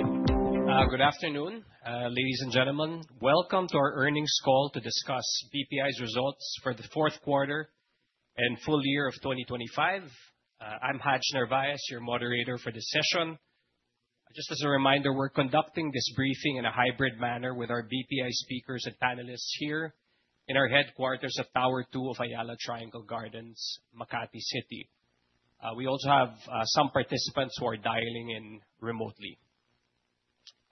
Okay. Good afternoon, ladies and gentlemen. Welcome to our earnings call to discuss BPI's results for the Q4 and full year of 2025. I'm Haj Narvaez, your moderator for this session. Just as a reminder, we're conducting this briefing in a hybrid manner with our BPI speakers and panelists here in our headquarters at Tower two of Ayala Triangle Gardens, Makati City. We also have some participants who are dialing in remotely.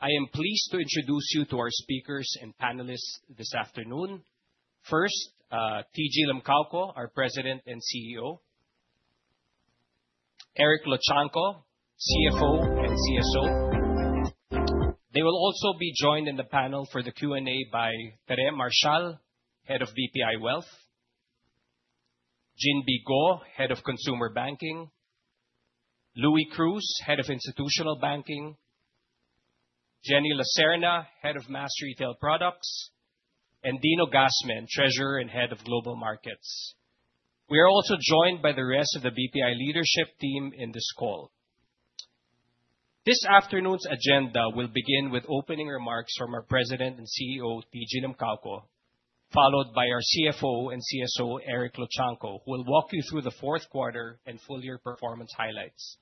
I am pleased to introduce you to our speakers and panelists this afternoon. First, Jose Teodoro K. Limcaoco, our President and CEO. Eric Luchangco, CFO and CSO. They will also be joined in the panel for the Q&A by Tere Marcial, Head of BPI Wealth. Ginbee Go, Head of Consumer Banking. Luis Cruz, Head of Institutional Banking. Jenelyn Lacerna, Head of Mass Retail Products, and Dino Gasmen, Treasurer and Head of Global Markets. We are also joined by the rest of the BPI leadership team in this call. This afternoon's agenda will begin with opening remarks from our President and CEO, Jose Teodoro K. Limcaoco, followed by our CFO and CSO, Eric Luchangco, who will walk you through the Q4 and full year performance highlights,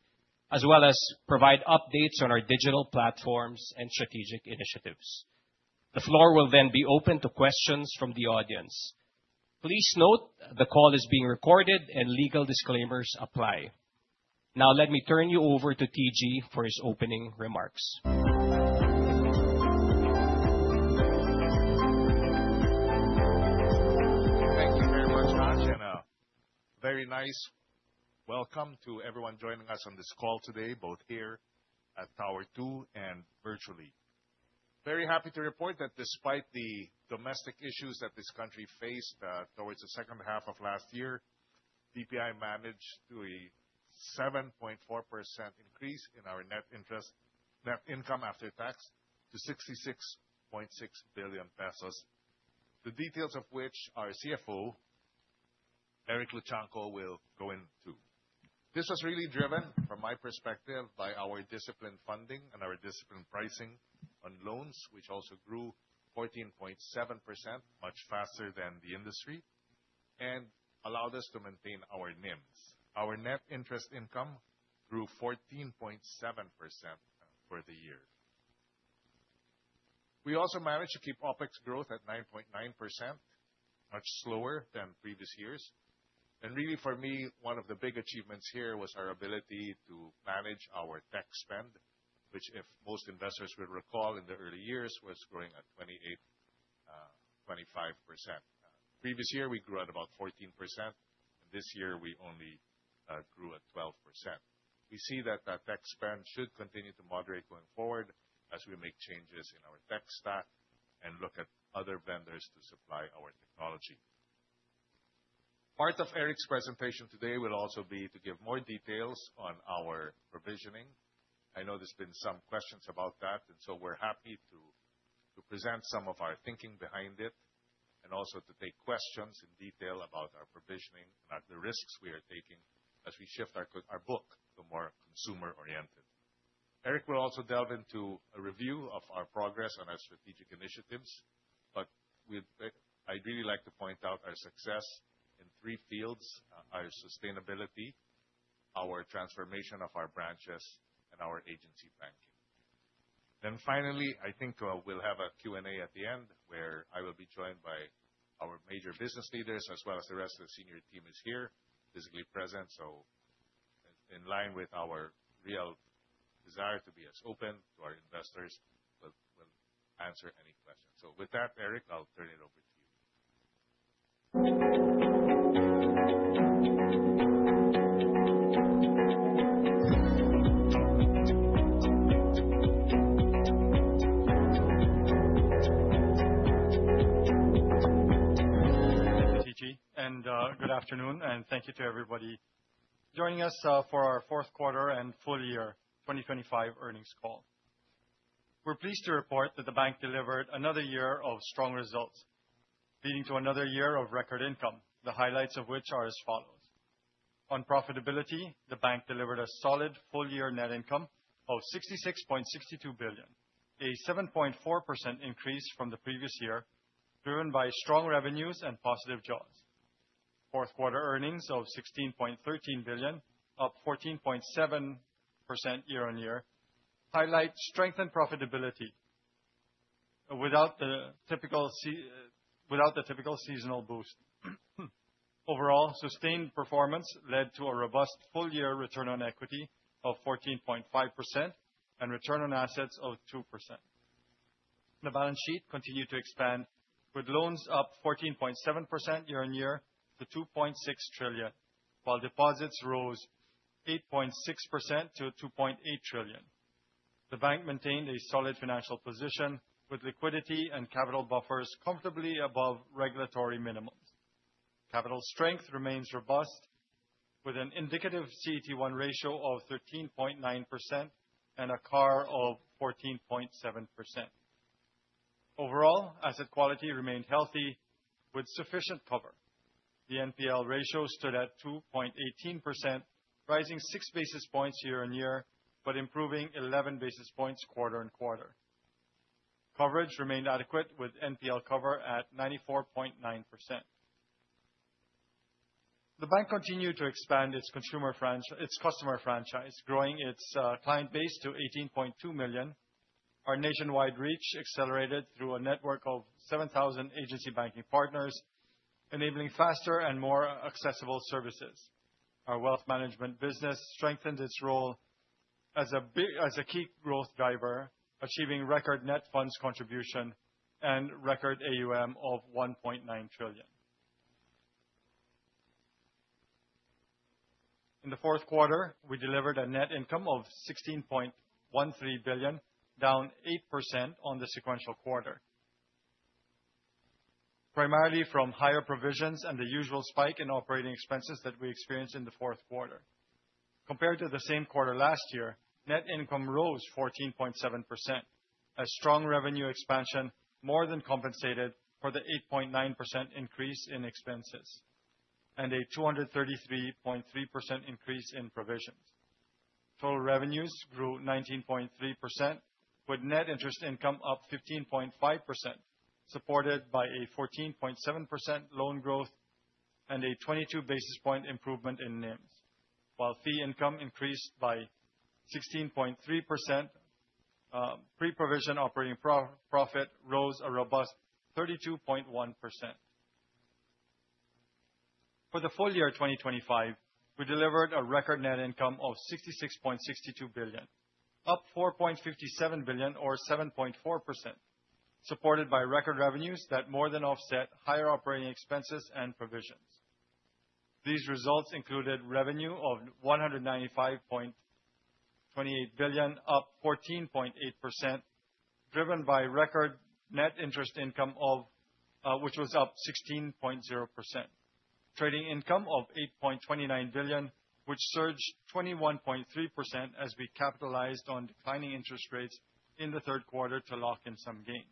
as well as provide updates on our digital platforms and strategic initiatives. The floor will then be open to questions from the audience. Please note the call is being recorded and legal disclaimers apply. Now, let me turn you over to TG for his opening remarks. Thank you very much, Haj, and very nice welcome to everyone joining us on this call today, both here at Tower Two and virtually. Very happy to report that despite the domestic issues that this country faced towards the second half of last year, BPI managed a 7.4% increase in our net interest income after tax to 66.6 billion pesos. The details of which our CFO, Eric Luchangco, will go into. This was really driven from my perspective by our disciplined funding and our disciplined pricing on loans, which also grew 14.7%, much faster than the industry, and allowed us to maintain our NIMs. Our net interest income grew 14.7% for the year. We also managed to keep OpEx growth at 9.9%, much slower than previous years. Really, for me, one of the big achievements here was our ability to manage our tech spend, which, if most investors would recall in the early years, was growing at 28, 25%. Previous year, we grew at about 14%. This year we only grew at 12%. We see that that tech spend should continue to moderate going forward as we make changes in our tech stack and look at other vendors to supply our technology. Part of Eric's presentation today will also be to give more details on our provisioning. I know there's been some questions about that, and so we're happy to present some of our thinking behind it, and also to take questions in detail about our provisioning and the risks we are taking as we shift our book to more consumer-oriented. Eric will also delve into a review of our progress on our strategic initiatives, but I'd really like to point out our success in three fields, our sustainability, our transformation of our branches, and our agency banking. Finally, I think we'll have a Q&A at the end where I will be joined by our major business leaders as well as the rest of the senior team who's here, physically present. In line with our real desire to be as open to our investors, we'll answer any questions. With that, Eric, I'll turn it over to you. Thank you, TG. Good afternoon, and thank you to everybody joining us for our Q4 and full year 2025 earnings call. We're pleased to report that the bank delivered another year of strong results, leading to another year of record income, the highlights of which are as follows. On profitability, the bank delivered a solid full year net income of 66.62 billion, a 7.4% increase from the previous year, driven by strong revenues and positive jaws. Q4 earnings of PHP 16.13 billion, up 14.7% year-on-year, highlight strengthened profitability without the typical seasonal boost. Overall, sustained performance led to a robust full year return on equity of 14.5% and return on assets of 2%. The balance sheet continued to expand, with loans up 14.7% year-on-year to PHP 2.6 trillion, while deposits rose 8.6% to PHP 2.8 trillion. The bank maintained a solid financial position with liquidity and capital buffers comfortably above regulatory minimums. Capital strength remains robust, with an indicative CET1 ratio of 13.9% and a CAR of 14.7%. Overall, asset quality remained healthy with sufficient cover. The NPL ratio stood at 2.18%, rising 6 basis points year-on-year, but improving 11 basis points quarter-on-quarter. Coverage remained adequate with NPL cover at 94.9%. The bank continued to expand its customer franchise, growing its client base to 18.2 million. Our nationwide reach accelerated through a network of 7,000 agency banking partners, enabling faster and more accessible services. Our wealth management business strengthened its role as a key growth driver, achieving record net funds contribution and record AUM of 1.9 trillion. In the Q4, we delivered a net income of 16.13 billion, down 8% on the sequential quarter. Primarily from higher provisions and the usual spike in operating expenses that we experienced in the Q4. Compared to the same quarter last year, net income rose 14.7%. Strong revenue expansion more than compensated for the 8.9% increase in expenses, and a 233.3% increase in provisions. Total revenues grew 19.3%, with net interest income up 15.5%, supported by a 14.7% loan growth and a 22 basis point improvement in NIM, while fee income increased by 16.3%, pre-provision operating profit rose a robust 32.1%. For the full year of 2025, we delivered a record net income of 66.62 billion, up 4.57 billion or 7.4%, supported by record revenues that more than offset higher operating expenses and provisions. These results included revenue of 195.28 billion, up 14.8%, driven by record net interest income of, which was up 16.0%. Trading income of 8.29 billion, which surged 21.3% as we capitalized on declining interest rates in the Q3 to lock in some gains.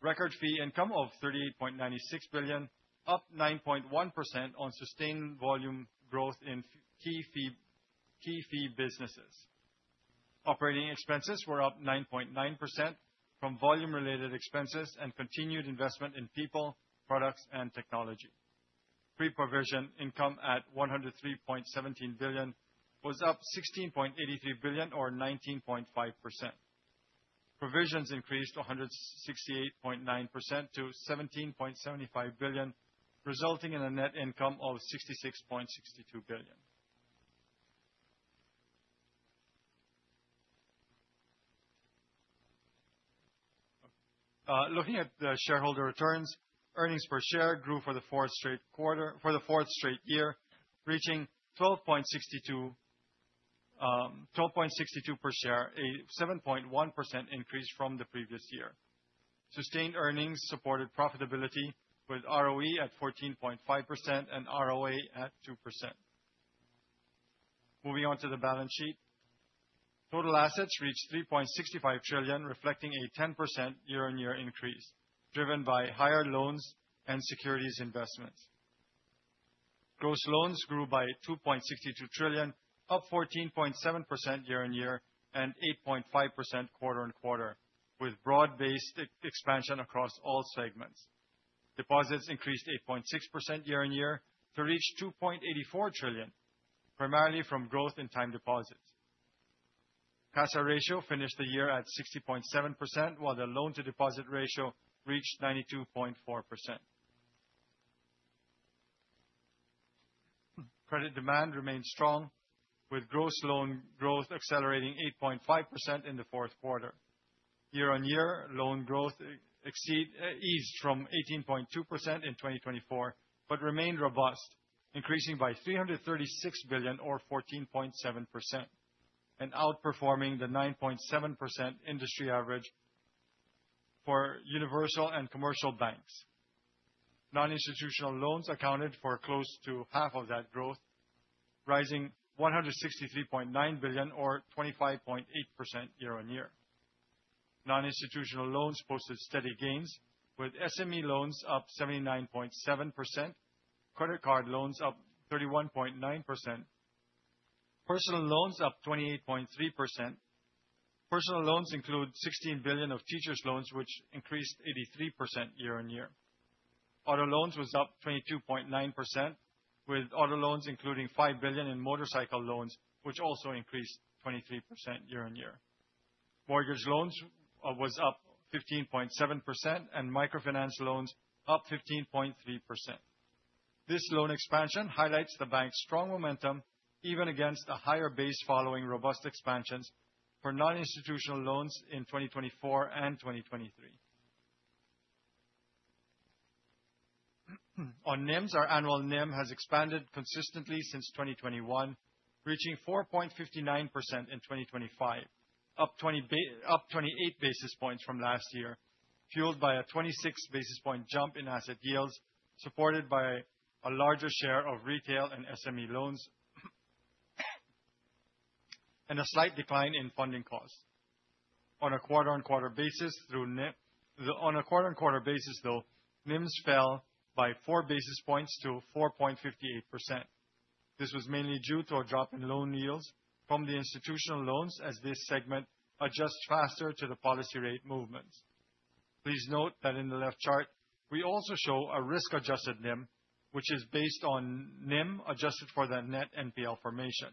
Record fee income of PHP 38.96 billion, up 9.1% on sustained volume growth in FX, key fee businesses. Operating expenses were up 9.9% from volume related expenses and continued investment in people, products, and technology. Pre-provision income at 103.17 billion was up 16.83 billion or 19.5%. Provisions increased 168.9% to 17.75 billion, resulting in a net income of 66.62 billion. Looking at the shareholder returns, earnings per share grew for the fourth straight year, reaching 12.62 per share, a 7.1% increase from the previous year. Sustained earnings supported profitability with ROE at 14.5% and ROA at 2%. Moving on to the balance sheet. Total assets reached 3.65 trillion, reflecting a 10% year-on-year increase driven by higher loans and securities investments. Gross loans grew by 2.62 trillion, up 14.7% year-on-year and 8.5% quarter-on-quarter, with broad-based expansion across all segments. Deposits increased 8.6% year-on-year to reach 2.84 trillion, primarily from growth in time deposits. CASA ratio finished the year at 60.7%, while the loan-to-deposit ratio reached 92.4%. Credit demand remained strong, with gross loan growth accelerating 8.5% in the Q4. Year-on-year, loan growth eased from 18.2% in 2024, but remained robust, increasing by 336 billion or 14.7%, and outperforming the 9.7% industry average for universal and commercial banks. Non-institutional loans accounted for close to half of that growth, rising 163.9 billion or 25.8% year-on-year. Non-institutional loans posted steady gains, with SME loans up 79.7%, credit card loans up 31.9%, personal loans up 28.3%. Personal loans include 16 billion of teacher's loans, which increased 83% year-on-year. Auto loans was up 22.9%, with auto loans including 5 billion in motorcycle loans, which also increased 23% year-on-year. Mortgage loans was up 15.7%, and microfinance loans up 15.3%. This loan expansion highlights the bank's strong momentum even against a higher base following robust expansions for non-institutional loans in 2024 and 2023. On NIMs, our annual NIM has expanded consistently since 2021, reaching 4.59% in 2025, up 28 basis points from last year, fueled by a 26 basis point jump in asset yields, supported by a larger share of retail and SME loans, and a slight decline in funding costs. On a quarter-on-quarter basis, though, NIMs fell by 4 basis points to 4.58%. This was mainly due to a drop in loan yields from the institutional loans as this segment adjusts faster to the policy rate movements. Please note that in the left chart, we also show a risk-adjusted NIM, which is based on NIM adjusted for the net NPL formation.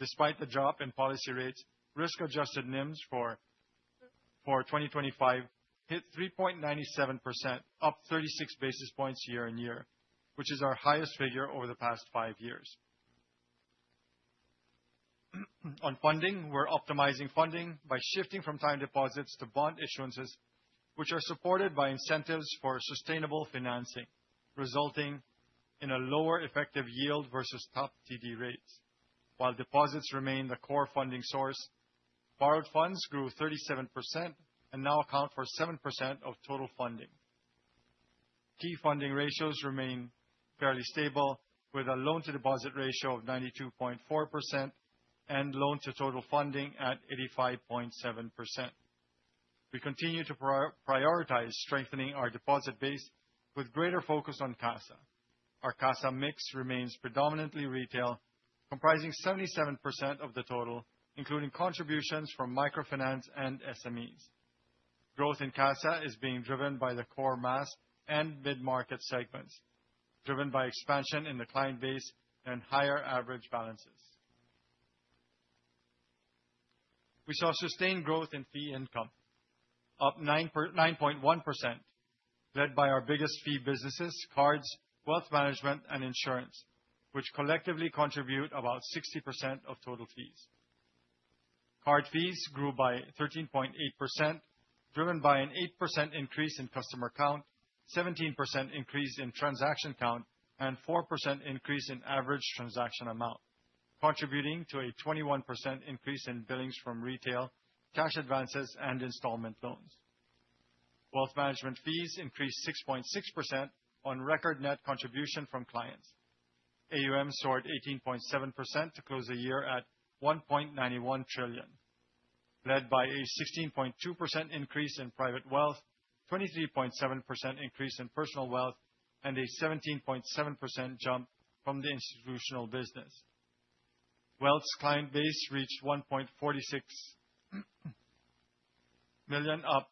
Despite the drop in policy rates, risk-adjusted NIMs for 2025 hit 3.97%, up 36 basis points year-on-year, which is our highest figure over the past five years. On funding, we're optimizing funding by shifting from time deposits to bond issuances, which are supported by incentives for sustainable financing, resulting in a lower effective yield versus top TD rates. While deposits remain the core funding source, borrowed funds grew 37% and now account for 7% of total funding. Key funding ratios remain fairly stable, with a loan-to-deposit ratio of 92.4% and loan-to-total funding at 85.7%. We continue to prioritize strengthening our deposit base with greater focus on CASA. Our CASA mix remains predominantly retail, comprising 77% of the total, including contributions from microfinance and SMEs. Growth in CASA is being driven by the core mass and mid-market segments, driven by expansion in the client base and higher average balances. We saw sustained growth in fee income, up 9.1%, led by our biggest fee businesses, cards, wealth management, and insurance, which collectively contribute about 60% of total fees. Card fees grew by 13.8%, driven by an 8% increase in customer count, 17% increase in transaction count, and 4% increase in average transaction amount, contributing to a 21% increase in billings from retail, cash advances, and installment loans. Wealth management fees increased 6.6% on record net contribution from clients. AUM soared 18.7% to close the year at 1.91 trillion, led by a 16.2% increase in private wealth, 23.7% increase in personal wealth, and a 17.7% jump from the institutional business. Wealth's client base reached 1.46 million, up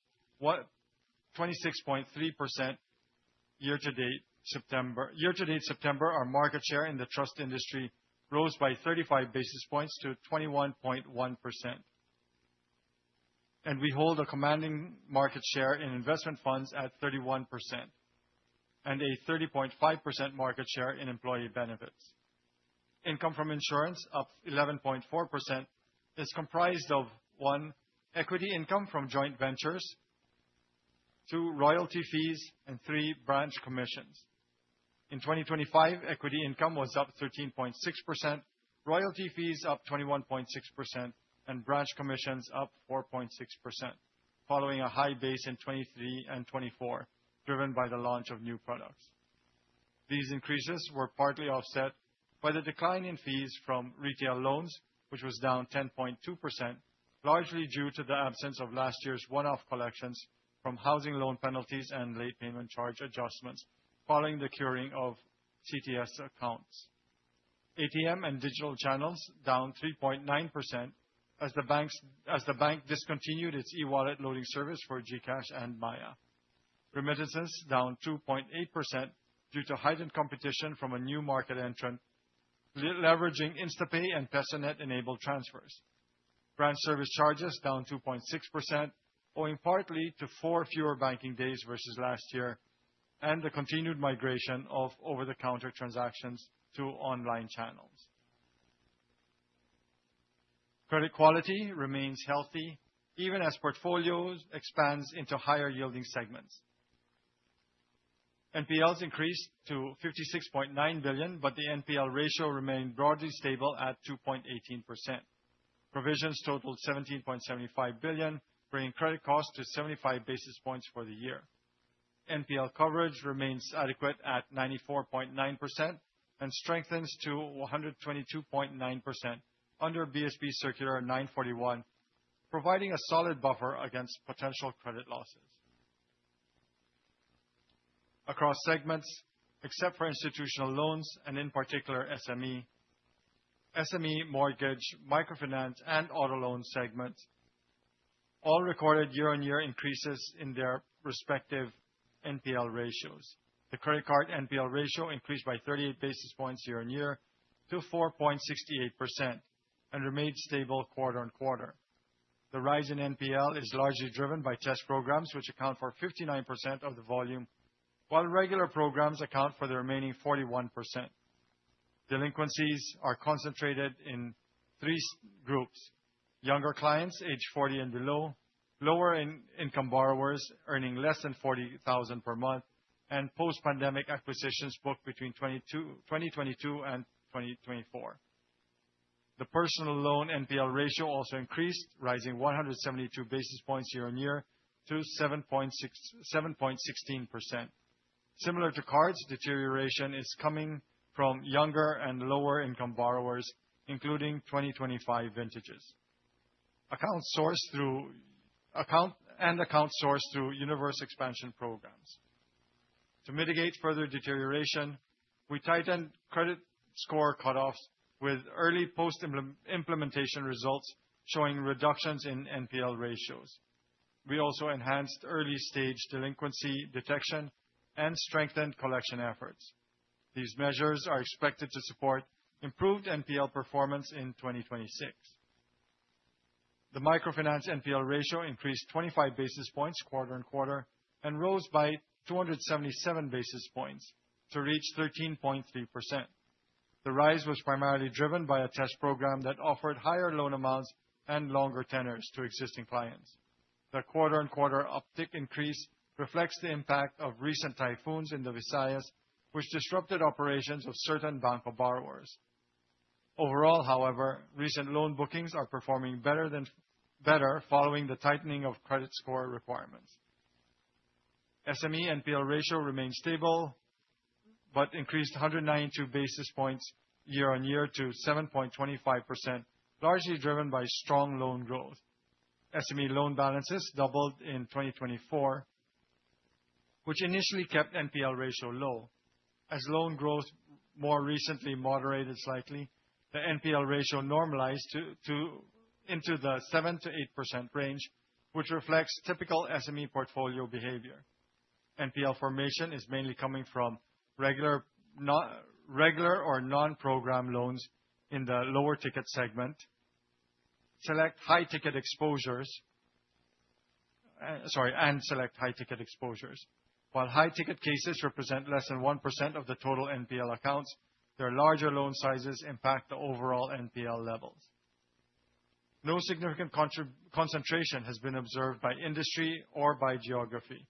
26.3% year-to-date September. Year-to-date September, our market share in the trust industry rose by 35 basis points to 21.1%. We hold a commanding market share in investment funds at 31% and a 30.5% market share in employee benefits. Income from insurance, up 11.4%, is comprised of, one, equity income from joint ventures, two, royalty fees, and three, branch commissions. In 2025, equity income was up 13.6%, royalty fees up 21.6%, and branch commissions up 4.6%, following a high base in 2023 and 2024, driven by the launch of new products. These increases were partly offset by the decline in fees from retail loans, which was down 10.2%, largely due to the absence of last year's one-off collections from housing loan penalties and late payment charge adjustments following the curing of CTS accounts. ATM and digital channels down 3.9% as the bank discontinued its e-wallet loading service for GCash and Maya. Remittances down 2.8% due to heightened competition from a new market entrant leveraging InstaPay and PESONet-enabled transfers. Branch service charges down 2.6%, owing partly to 4 fewer banking days versus last year and the continued migration of over-the-counter transactions to online channels. Credit quality remains healthy, even as portfolios expands into higher-yielding segments. NPLs increased to 56.9 billion, but the NPL ratio remained broadly stable at 2.18%. Provisions totaled 17.75 billion, bringing credit costs to 75 basis points for the year. NPL coverage remains adequate at 94.9% and strengthens to 122.9% under BSP Circular No. 941, providing a solid buffer against potential credit losses. Across segments, except for institutional loans and in particular SME mortgage, microfinance, and auto loan segments all recorded year-on-year increases in their respective NPL ratios. The credit card NPL ratio increased by 30 basis points year-on-year to 4.68% and remained stable quarter-on-quarter. The rise in NPL is largely driven by test programs which account for 59% of the volume, while regular programs account for the remaining 41%. Delinquencies are concentrated in three groups: younger clients aged 40 and below, lower-income borrowers earning less than 40,000 per month, and post-pandemic acquisitions booked between 2022 and 2024. The personal loan NPL ratio also increased, rising 172 basis points year-on-year to 7.16%. Similar to cards, deterioration is coming from younger and lower-income borrowers, including 2025 vintages. Accounts sourced through universe expansion programs. To mitigate further deterioration, we tightened credit score cutoffs with early post-implementation results, showing reductions in NPL ratios. We also enhanced early-stage delinquency detection and strengthened collection efforts. These measures are expected to support improved NPL performance in 2026. The microfinance NPL ratio increased 25 basis points quarter on quarter and rose by 277 basis points to reach 13.3%. The rise was primarily driven by a test program that offered higher loan amounts and longer tenors to existing clients. The quarter on quarter uptick increase reflects the impact of recent typhoons in the Visayas, which disrupted operations of certain BPI borrowers. Overall, however, recent loan bookings are performing better following the tightening of credit score requirements. SME NPL ratio remains stable, but increased 192 basis points year on year to 7.25%, largely driven by strong loan growth. SME loan balances doubled in 2024, which initially kept NPL ratio low. As loan growth more recently moderated slightly, the NPL ratio normalized into the 7%-8% range, which reflects typical SME portfolio behavior. NPL formation is mainly coming from regular or non-program loans in the lower ticket segment. Select high ticket exposures. While high ticket cases represent less than 1% of the total NPL accounts, their larger loan sizes impact the overall NPL levels. No significant concentration has been observed by industry or by geography.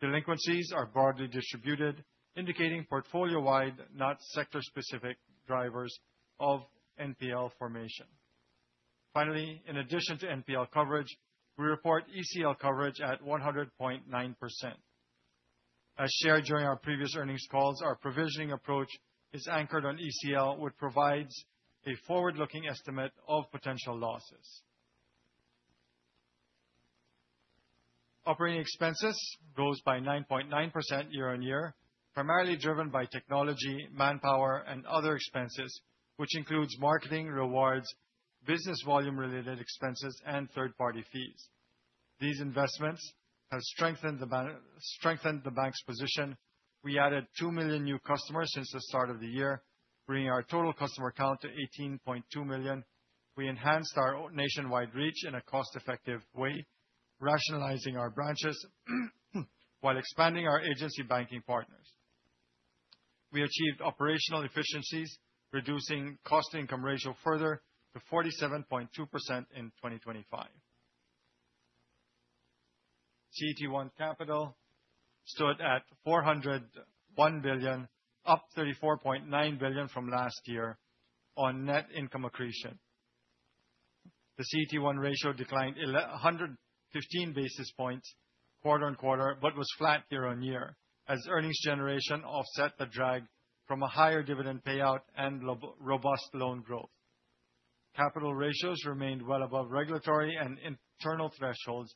Delinquencies are broadly distributed, indicating portfolio-wide, not sector-specific drivers of NPL formation. Finally, in addition to NPL coverage, we report ECL coverage at 100.9%. As shared during our previous earnings calls, our provisioning approach is anchored on ECL, which provides a forward-looking estimate of potential losses. Operating expenses rose by 9.9% year-on-year, primarily driven by technology, manpower, and other expenses, which includes marketing rewards, business volume-related expenses, and third-party fees. These investments have strengthened the bank's position. We added 2 million new customers since the start of the year, bringing our total customer count to 18.2 million. We enhanced our nationwide reach in a cost-effective way, rationalizing our branches, while expanding our agency banking partners. We achieved operational efficiencies, reducing cost-income ratio further to 47.2% in 2025. CET1 capital stood at 401 billion, up 34.9 billion from last year on net income accretion. The CET1 ratio declined 115 basis points quarter-on-quarter, but was flat year-on-year as earnings generation offset the drag from a higher dividend payout and robust loan growth. Capital ratios remained well above regulatory and internal thresholds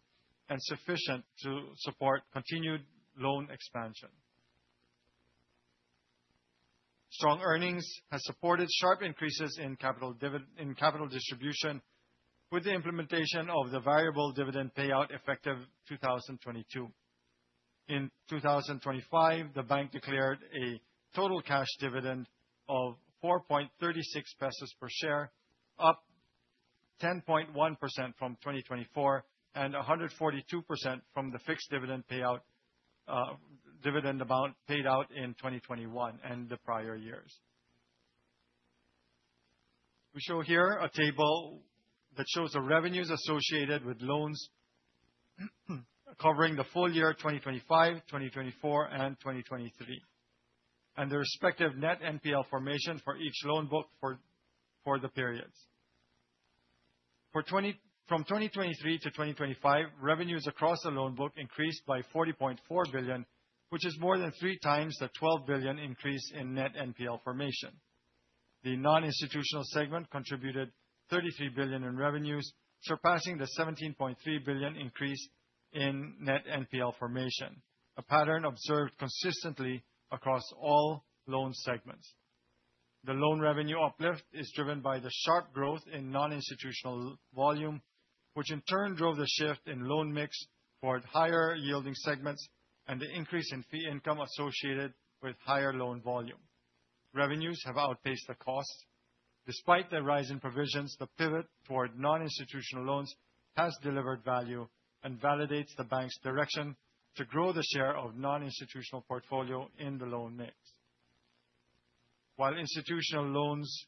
and sufficient to support continued loan expansion. Strong earnings has supported sharp increases in capital distribution with the implementation of the variable dividend payout effective 2022. In 2025, the bank declared a total cash dividend of 4.36 pesos per share, up 10.1% from 2024 and 142% from the fixed dividend payout, dividend amount paid out in 2021 and the prior years. We show here a table that shows the revenues associated with loans covering the full year 2025, 2024, and 2023, and the respective net NPL formation for each loan book for the periods. From 2023 to 2025, revenues across the loan book increased by 40.4 billion, which is more than three times the 12 billion increase in net NPL formation. The non-institutional segment contributed 33 billion in revenues, surpassing the 17.3 billion increase in net NPL formation, a pattern observed consistently across all loan segments. The loan revenue uplift is driven by the sharp growth in non-institutional volume, which in turn drove the shift in loan mix toward higher yielding segments and the increase in fee income associated with higher loan volume. Revenues have outpaced the costs. Despite the rise in provisions, the pivot toward non-institutional loans has delivered value and validates the bank's direction to grow the share of non-institutional portfolio in the loan mix. While institutional loans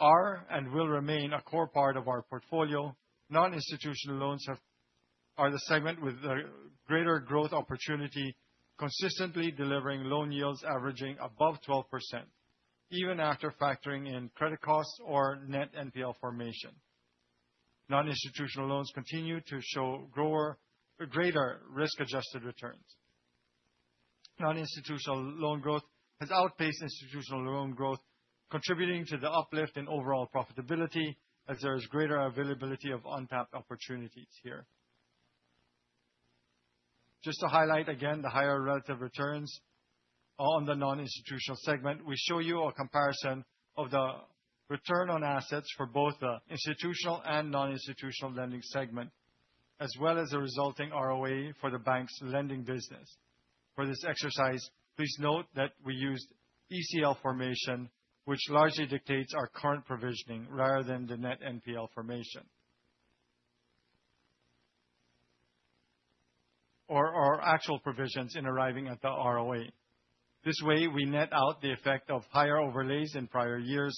are, and will remain, a core part of our portfolio, non-institutional loans are the segment with the greater growth opportunity, consistently delivering loan yields averaging above 12%, even after factoring in credit costs or net NPL formation. Non-institutional loans continue to show greater risk adjusted returns. Non-institutional loan growth has outpaced institutional loan growth, contributing to the uplift in overall profitability as there is greater availability of untapped opportunities here. Just to highlight again the higher relative returns on the non-institutional segment, we show you a comparison of the return on assets for both the institutional and non-institutional lending segment, as well as the resulting ROA for the bank's lending business. For this exercise, please note that we used ECL formation, which largely dictates our current provisioning rather than the net NPL formation. Or our actual provisions in arriving at the ROA. This way, we net out the effect of higher overlays in prior years.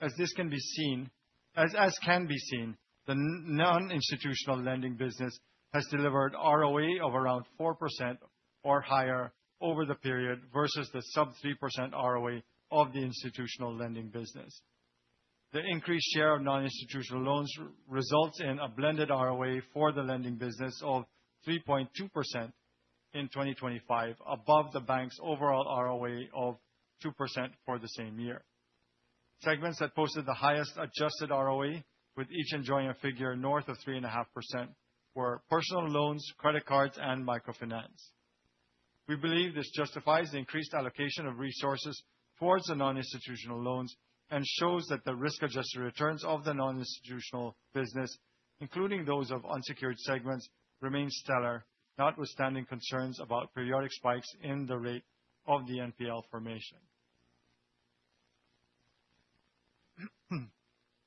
As can be seen, the non-institutional lending business has delivered ROA of around 4% or higher over the period versus the sub-3% ROA of the institutional lending business. The increased share of non-institutional loans results in a blended ROA for the lending business of 3.2% in 2025, above the bank's overall ROA of 2% for the same year. Segments that posted the highest adjusted ROA, with each enjoying a figure north of 3.5%, were personal loans, credit cards, and microfinance. We believe this justifies the increased allocation of resources towards the non-institutional loans and shows that the risk-adjusted returns of the non-institutional business, including those of unsecured segments, remain stellar, notwithstanding concerns about periodic spikes in the rate of the NPL formation.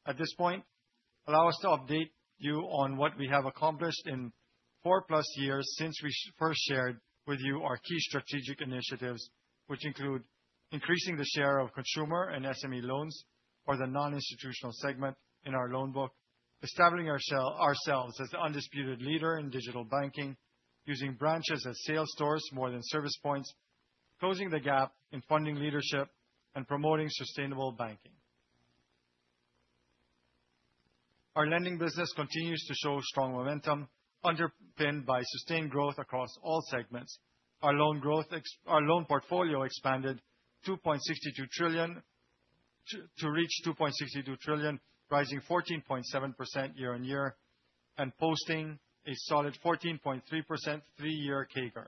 At this point, allow us to update you on what we have accomplished in 4-plus years since we first shared with you our key strategic initiatives, which include increasing the share of consumer and SME loans or the non-institutional segment in our loan book, establishing ourselves as the undisputed leader in digital banking, using branches as sales stores more than service points, closing the gap in funding leadership, and promoting sustainable banking. Our lending business continues to show strong momentum underpinned by sustained growth across all segments. Our loan portfolio expanded 2.62 trillion. To reach 2.62 trillion, rising 14.7% year-on-year and posting a solid 14.3% three-year CAGR.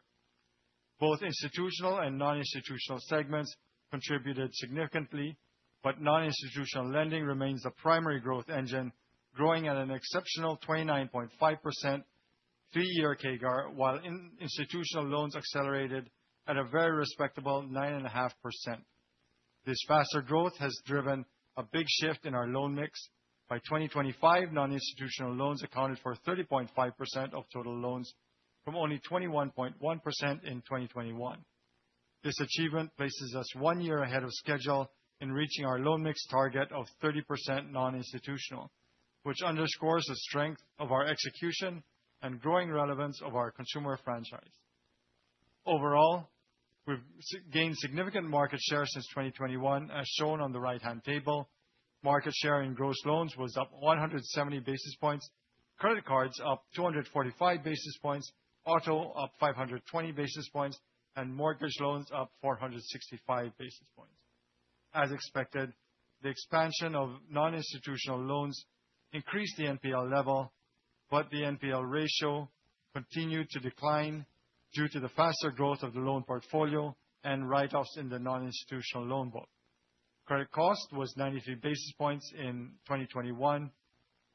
Both institutional and non-institutional segments contributed significantly, but non-institutional lending remains the primary growth engine, growing at an exceptional 29.5% three-year CAGR, while institutional loans accelerated at a very respectable 9.5%. This faster growth has driven a big shift in our loan mix. By 2025, non-institutional loans accounted for 30.5% of total loans from only 21.1% in 2021. This achievement places us one year ahead of schedule in reaching our loan mix target of 30% non-institutional, which underscores the strength of our execution and growing relevance of our consumer franchise. Overall, we've gained significant market share since 2021, as shown on the right-hand table. Market share in gross loans was up 170 basis points, credit cards up 245 basis points, auto up 520 basis points, and mortgage loans up 465 basis points. As expected, the expansion of non-institutional loans increased the NPL level, but the NPL ratio continued to decline due to the faster growth of the loan portfolio and write-offs in the non-institutional loan book. Credit cost was 93 basis points in 2021,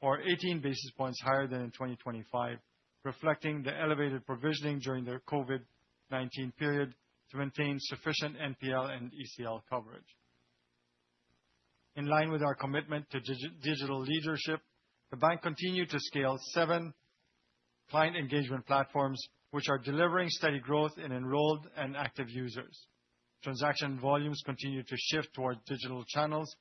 or 18 basis points higher than in 2025, reflecting the elevated provisioning during the COVID-19 period to maintain sufficient NPL and ECL coverage. In line with our commitment to digital leadership, the bank continued to scale seven client engagement platforms, which are delivering steady growth in enrolled and active users. Transaction volumes continued to shift toward digital channels,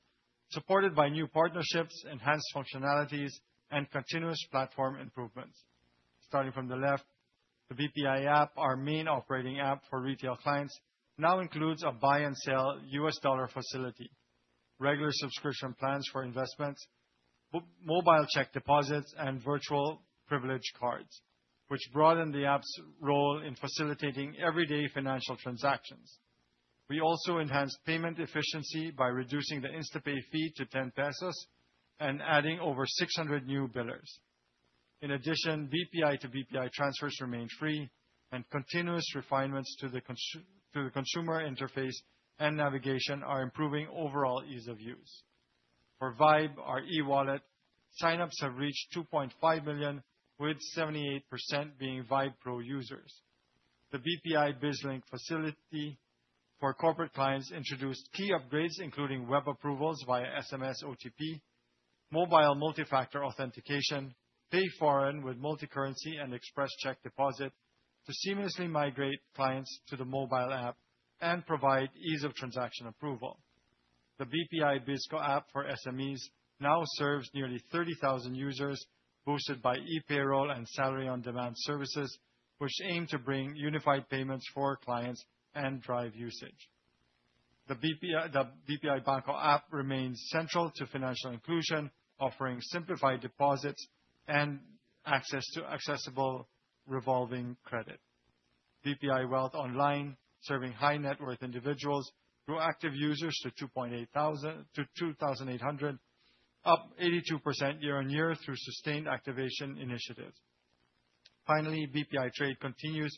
supported by new partnerships, enhanced functionalities, and continuous platform improvements. Starting from the left, the BPI app, our main operating app for retail clients, now includes a buy and sell US dollar facility, regular subscription plans for investments, mobile check deposits, and virtual privilege cards, which broaden the app's role in facilitating everyday financial transactions. We also enhanced payment efficiency by reducing the InstaPay fee to 10 pesos and adding over 600 new billers. In addition, BPI to BPI transfers remain free, and continuous refinements to the consumer interface and navigation are improving overall ease of use. For VYBE, our e-wallet, sign-ups have reached 2.5 million, with 78% being VYBE Pro users. The BPI BizLink facility for corporate clients introduced key upgrades, including web approvals via SMS OTP, mobile multi-factor authentication, Pay Foreign with multicurrency, and express check deposit to seamlessly migrate clients to the mobile app and provide ease of transaction approval. The BPI BizKo app for SMEs now serves nearly 30,000 users, boosted by ePayroll and Salary On-Demand services, which aim to bring unified payments for our clients and drive usage. The BPI Direct BanKo app remains central to financial inclusion, offering simplified deposits and access to accessible revolving credit. BPI Wealth Online serving high net worth individuals through active users to 2,800, up 82% year-on-year through sustained activation initiatives. Finally, BPI Trade continues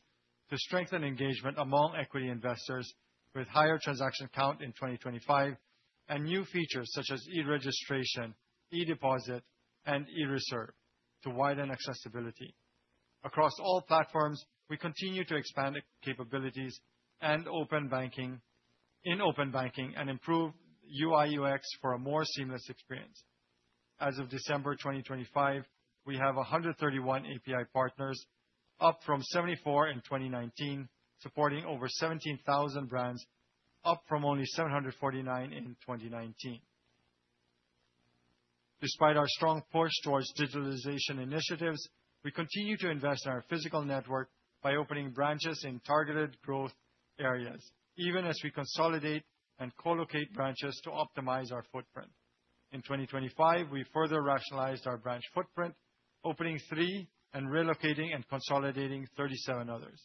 to strengthen engagement among equity investors with higher transaction count in 2025, and new features such as e-registration, e-deposit, and e-reserve to widen accessibility. Across all platforms, we continue to expand the capabilities and open banking and improve UI/UX for a more seamless experience. As of December 2025, we have 131 API partners, up from 74 in 2019, supporting over 17,000 brands, up from only 749 in 2019. Despite our strong push towards digitalization initiatives, we continue to invest in our physical network by opening branches in targeted growth areas, even as we consolidate and co-locate branches to optimize our footprint. In 2025, we further rationalized our branch footprint, opening 3 and relocating and consolidating 37 others.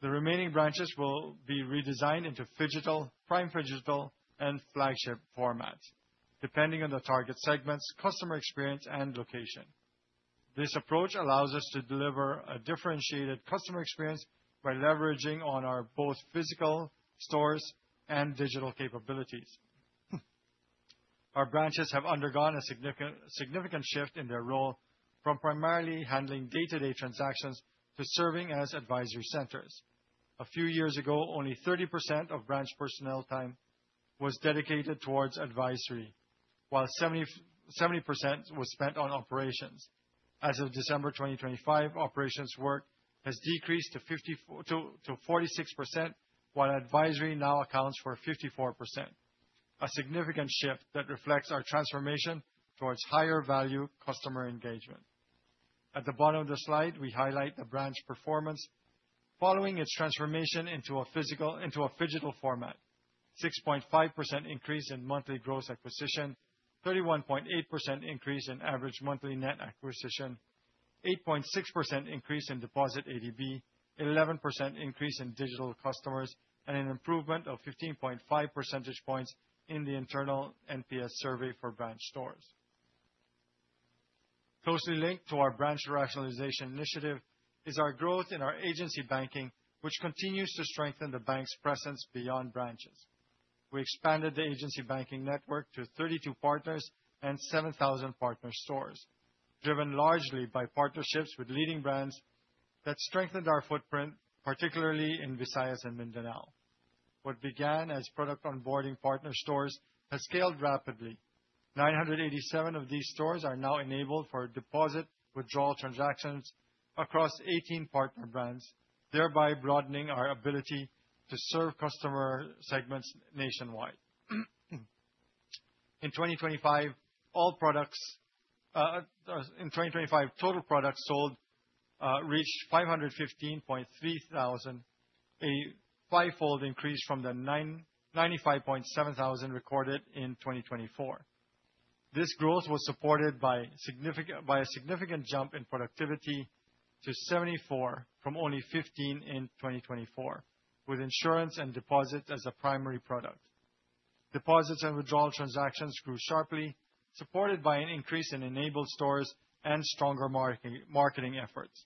The remaining branches will be redesigned into phygital, prime phygital, and flagship formats, depending on the target segments, customer experience, and location. This approach allows us to deliver a differentiated customer experience by leveraging on our both physical stores and digital capabilities. Our branches have undergone a significant shift in their role from primarily handling day-to-day transactions to serving as advisory centers. A few years ago, only 30% of branch personnel time was dedicated towards advisory, while 70% was spent on operations. As of December 2025, operations work has decreased to forty-six percent, while advisory now accounts for 54%. A significant shift that reflects our transformation towards higher value customer engagement. At the bottom of the slide, we highlight the branch performance following its transformation into a phygital format. 6.5% increase in monthly gross acquisition, 31.8% increase in average monthly net acquisition, 8.6% increase in deposit ADB, 11% increase in digital customers, and an improvement of 15.5 percentage points in the internal NPS survey for branch stores. Closely linked to our branch rationalization initiative is our growth in our agency banking, which continues to strengthen the bank's presence beyond branches. We expanded the agency banking network to 32 partners and 7,000 partner stores, driven largely by partnerships with leading brands that strengthened our footprint, particularly in Visayas and Mindanao. What began as product onboarding partner stores has scaled rapidly. 987 of these stores are now enabled for deposit, withdrawal transactions across 18 partner brands, thereby broadening our ability to serve customer segments nationwide. In 2025, total products sold reached 515.3 thousand, a five-fold increase from the 95.7 thousand recorded in 2024. This growth was supported by a significant jump in productivity to 74 from only 15 in 2024, with insurance and deposit as a primary product. Deposits and withdrawal transactions grew sharply, supported by an increase in enabled stores and stronger marketing efforts.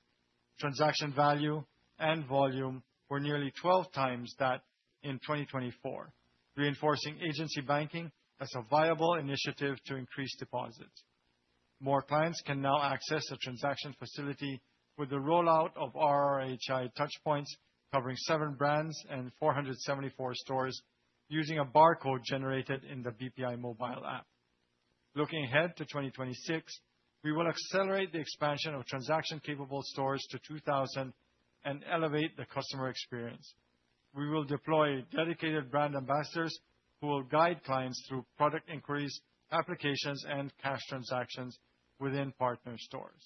Transaction value and volume were nearly 12 times that in 2024, reinforcing agency banking as a viable initiative to increase deposits. More clients can now access a transaction facility with the rollout of RRHI touchpoints covering seven brands and 474 stores using a barcode generated in the BPI Mobile app. Looking ahead to 2026, we will accelerate the expansion of transaction-capable stores to 2,000 and elevate the customer experience. We will deploy dedicated brand ambassadors who will guide clients through product inquiries, applications, and cash transactions within partner stores.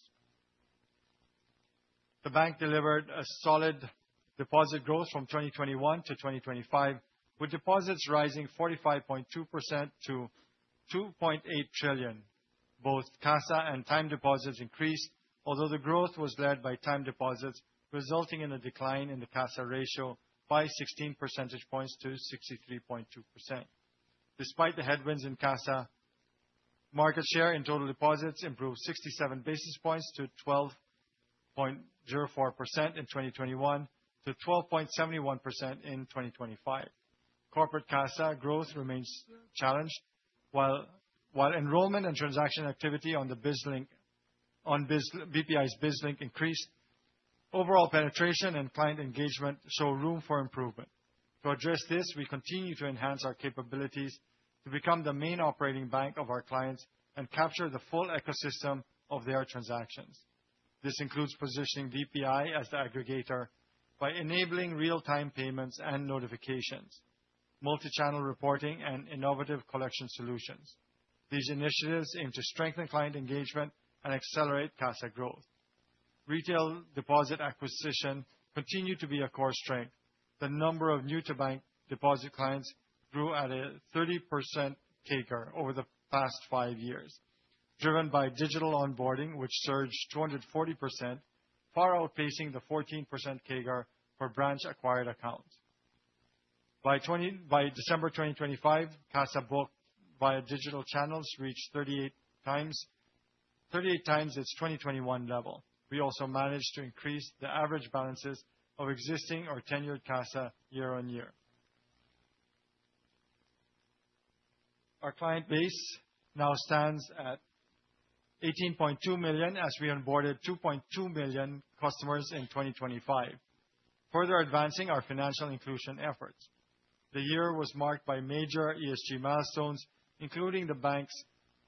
The bank delivered a solid deposit growth from 2021 to 2025, with deposits rising 45.2% to 2.8 trillion. Both CASA and time deposits increased, although the growth was led by time deposits, resulting in a decline in the CASA ratio by 16 percentage points to 63.2%. Despite the headwinds in CASA, market share and total deposits improved 67 basis points to 12.04% in 2021 to 12.71% in 2025. Corporate CASA growth remains challenged, while enrollment and transaction activity on BPI BizLink increased, overall penetration and client engagement show room for improvement. To address this, we continue to enhance our capabilities to become the main operating bank of our clients and capture the full ecosystem of their transactions. This includes positioning BPI as the aggregator by enabling real-time payments and notifications, multi-channel reporting, and innovative collection solutions. These initiatives aim to strengthen client engagement and accelerate CASA growth. Retail deposit acquisition continued to be a core strength. The number of new to bank deposit clients grew at a 30% CAGR over the past 5 years, driven by digital onboarding, which surged 240%, far outpacing the 14% CAGR for branch-acquired accounts. By December 2025, CASA book via digital channels reached 38 times its 2021 level. We also managed to increase the average balances of existing or tenured CASA year-on-year. Our client base now stands at 18.2 million as we onboarded 2.2 million customers in 2025, further advancing our financial inclusion efforts. The year was marked by major ESG milestones, including the bank's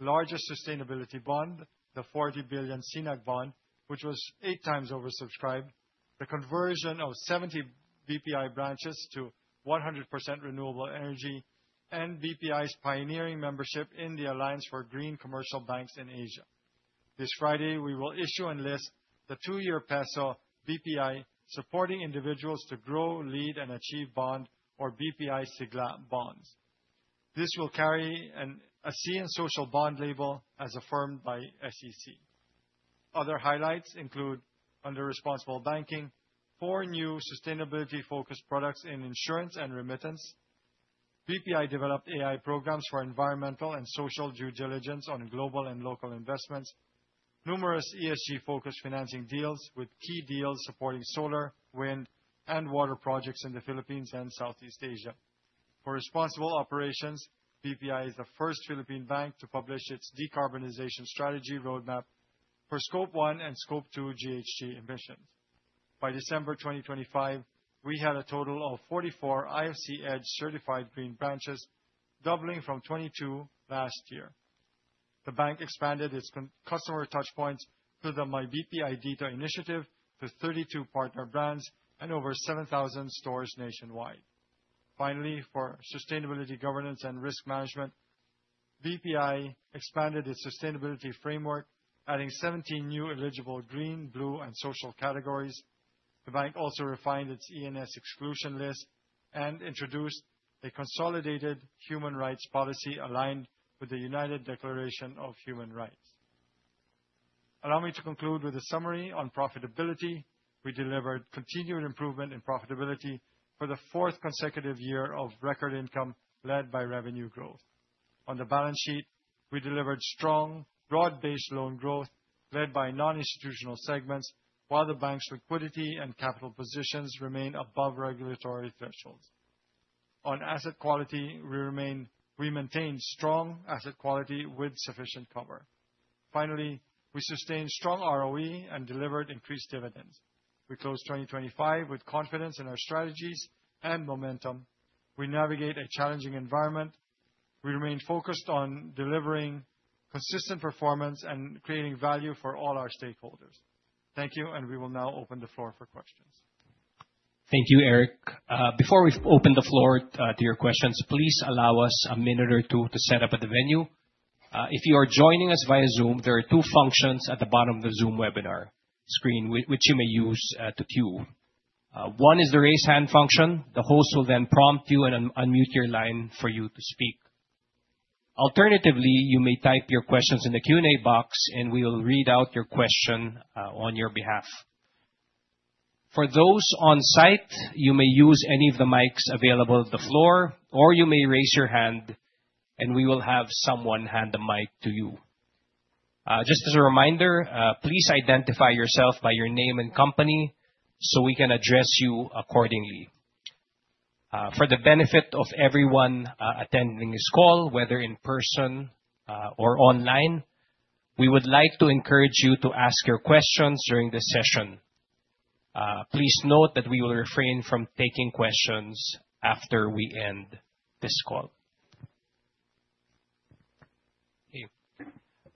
largest sustainability bond, the 40 billion SINAG bond, which was 8 times oversubscribed, the conversion of 70 BPI branches to 100% renewable energy, and BPI's pioneering membership in the Alliance for Green Commercial Banks in Asia. This Friday, we will issue and list the 2-year peso BPI Supporting Individuals to Grow, Lead, and Achieve Bond, or BPI SIGLA Bonds. This will carry a green and social bond label as affirmed by SEC. Other highlights include, under responsible banking, 4 new sustainability-focused products in insurance and remittance. BPI developed AI programs for environmental and social due diligence on global and local investments. Numerous ESG-focused financing deals with key deals supporting solar, wind, and water projects in the Philippines and Southeast Asia. For responsible operations, BPI is the first Philippine bank to publish its decarbonization strategy roadmap for scope one and scope two GHG emissions. By December 2025, we had a total of 44 IFC EDGE-certified green branches, doubling from 22 last year. The bank expanded its customer touchpoints through the MyBPI Dito initiative to 32 partner brands and over 7,000 stores nationwide. Finally, for sustainability governance and risk management, BPI expanded its sustainability framework, adding 17 new eligible green, blue, and social categories. The bank also refined its E&S exclusion list and introduced a consolidated human rights policy aligned with the Universal Declaration of Human Rights. Allow me to conclude with a summary on profitability. We delivered continued improvement in profitability for the 4th consecutive year of record income led by revenue growth. On the balance sheet, we delivered strong, broad-based loan growth led by non-institutional segments, while the bank's liquidity and capital positions remain above regulatory thresholds. On asset quality, we maintain strong asset quality with sufficient cover. Finally, we sustained strong ROE and delivered increased dividends. We closed 2025 with confidence in our strategies and momentum. We navigate a challenging environment. We remain focused on delivering consistent performance and creating value for all our stakeholders. Thank you, and we will now open the floor for questions. Thank you, Eric. Before we open the floor to your questions, please allow us a minute or two to set up at the venue. If you are joining us via Zoom, there are two functions at the bottom of the Zoom webinar screen which you may use to queue. One is the raise hand function. The host will then prompt you and unmute your line for you to speak. Alternatively, you may type your questions in the Q&A box, and we will read out your question on your behalf. For those on site, you may use any of the mics available at the floor, or you may raise your hand, and we will have someone hand the mic to you. Just as a reminder, please identify yourself by your name and company so we can address you accordingly. For the benefit of everyone attending this call, whether in person or online, we would like to encourage you to ask your questions during this session. Please note that we will refrain from taking questions after we end this call.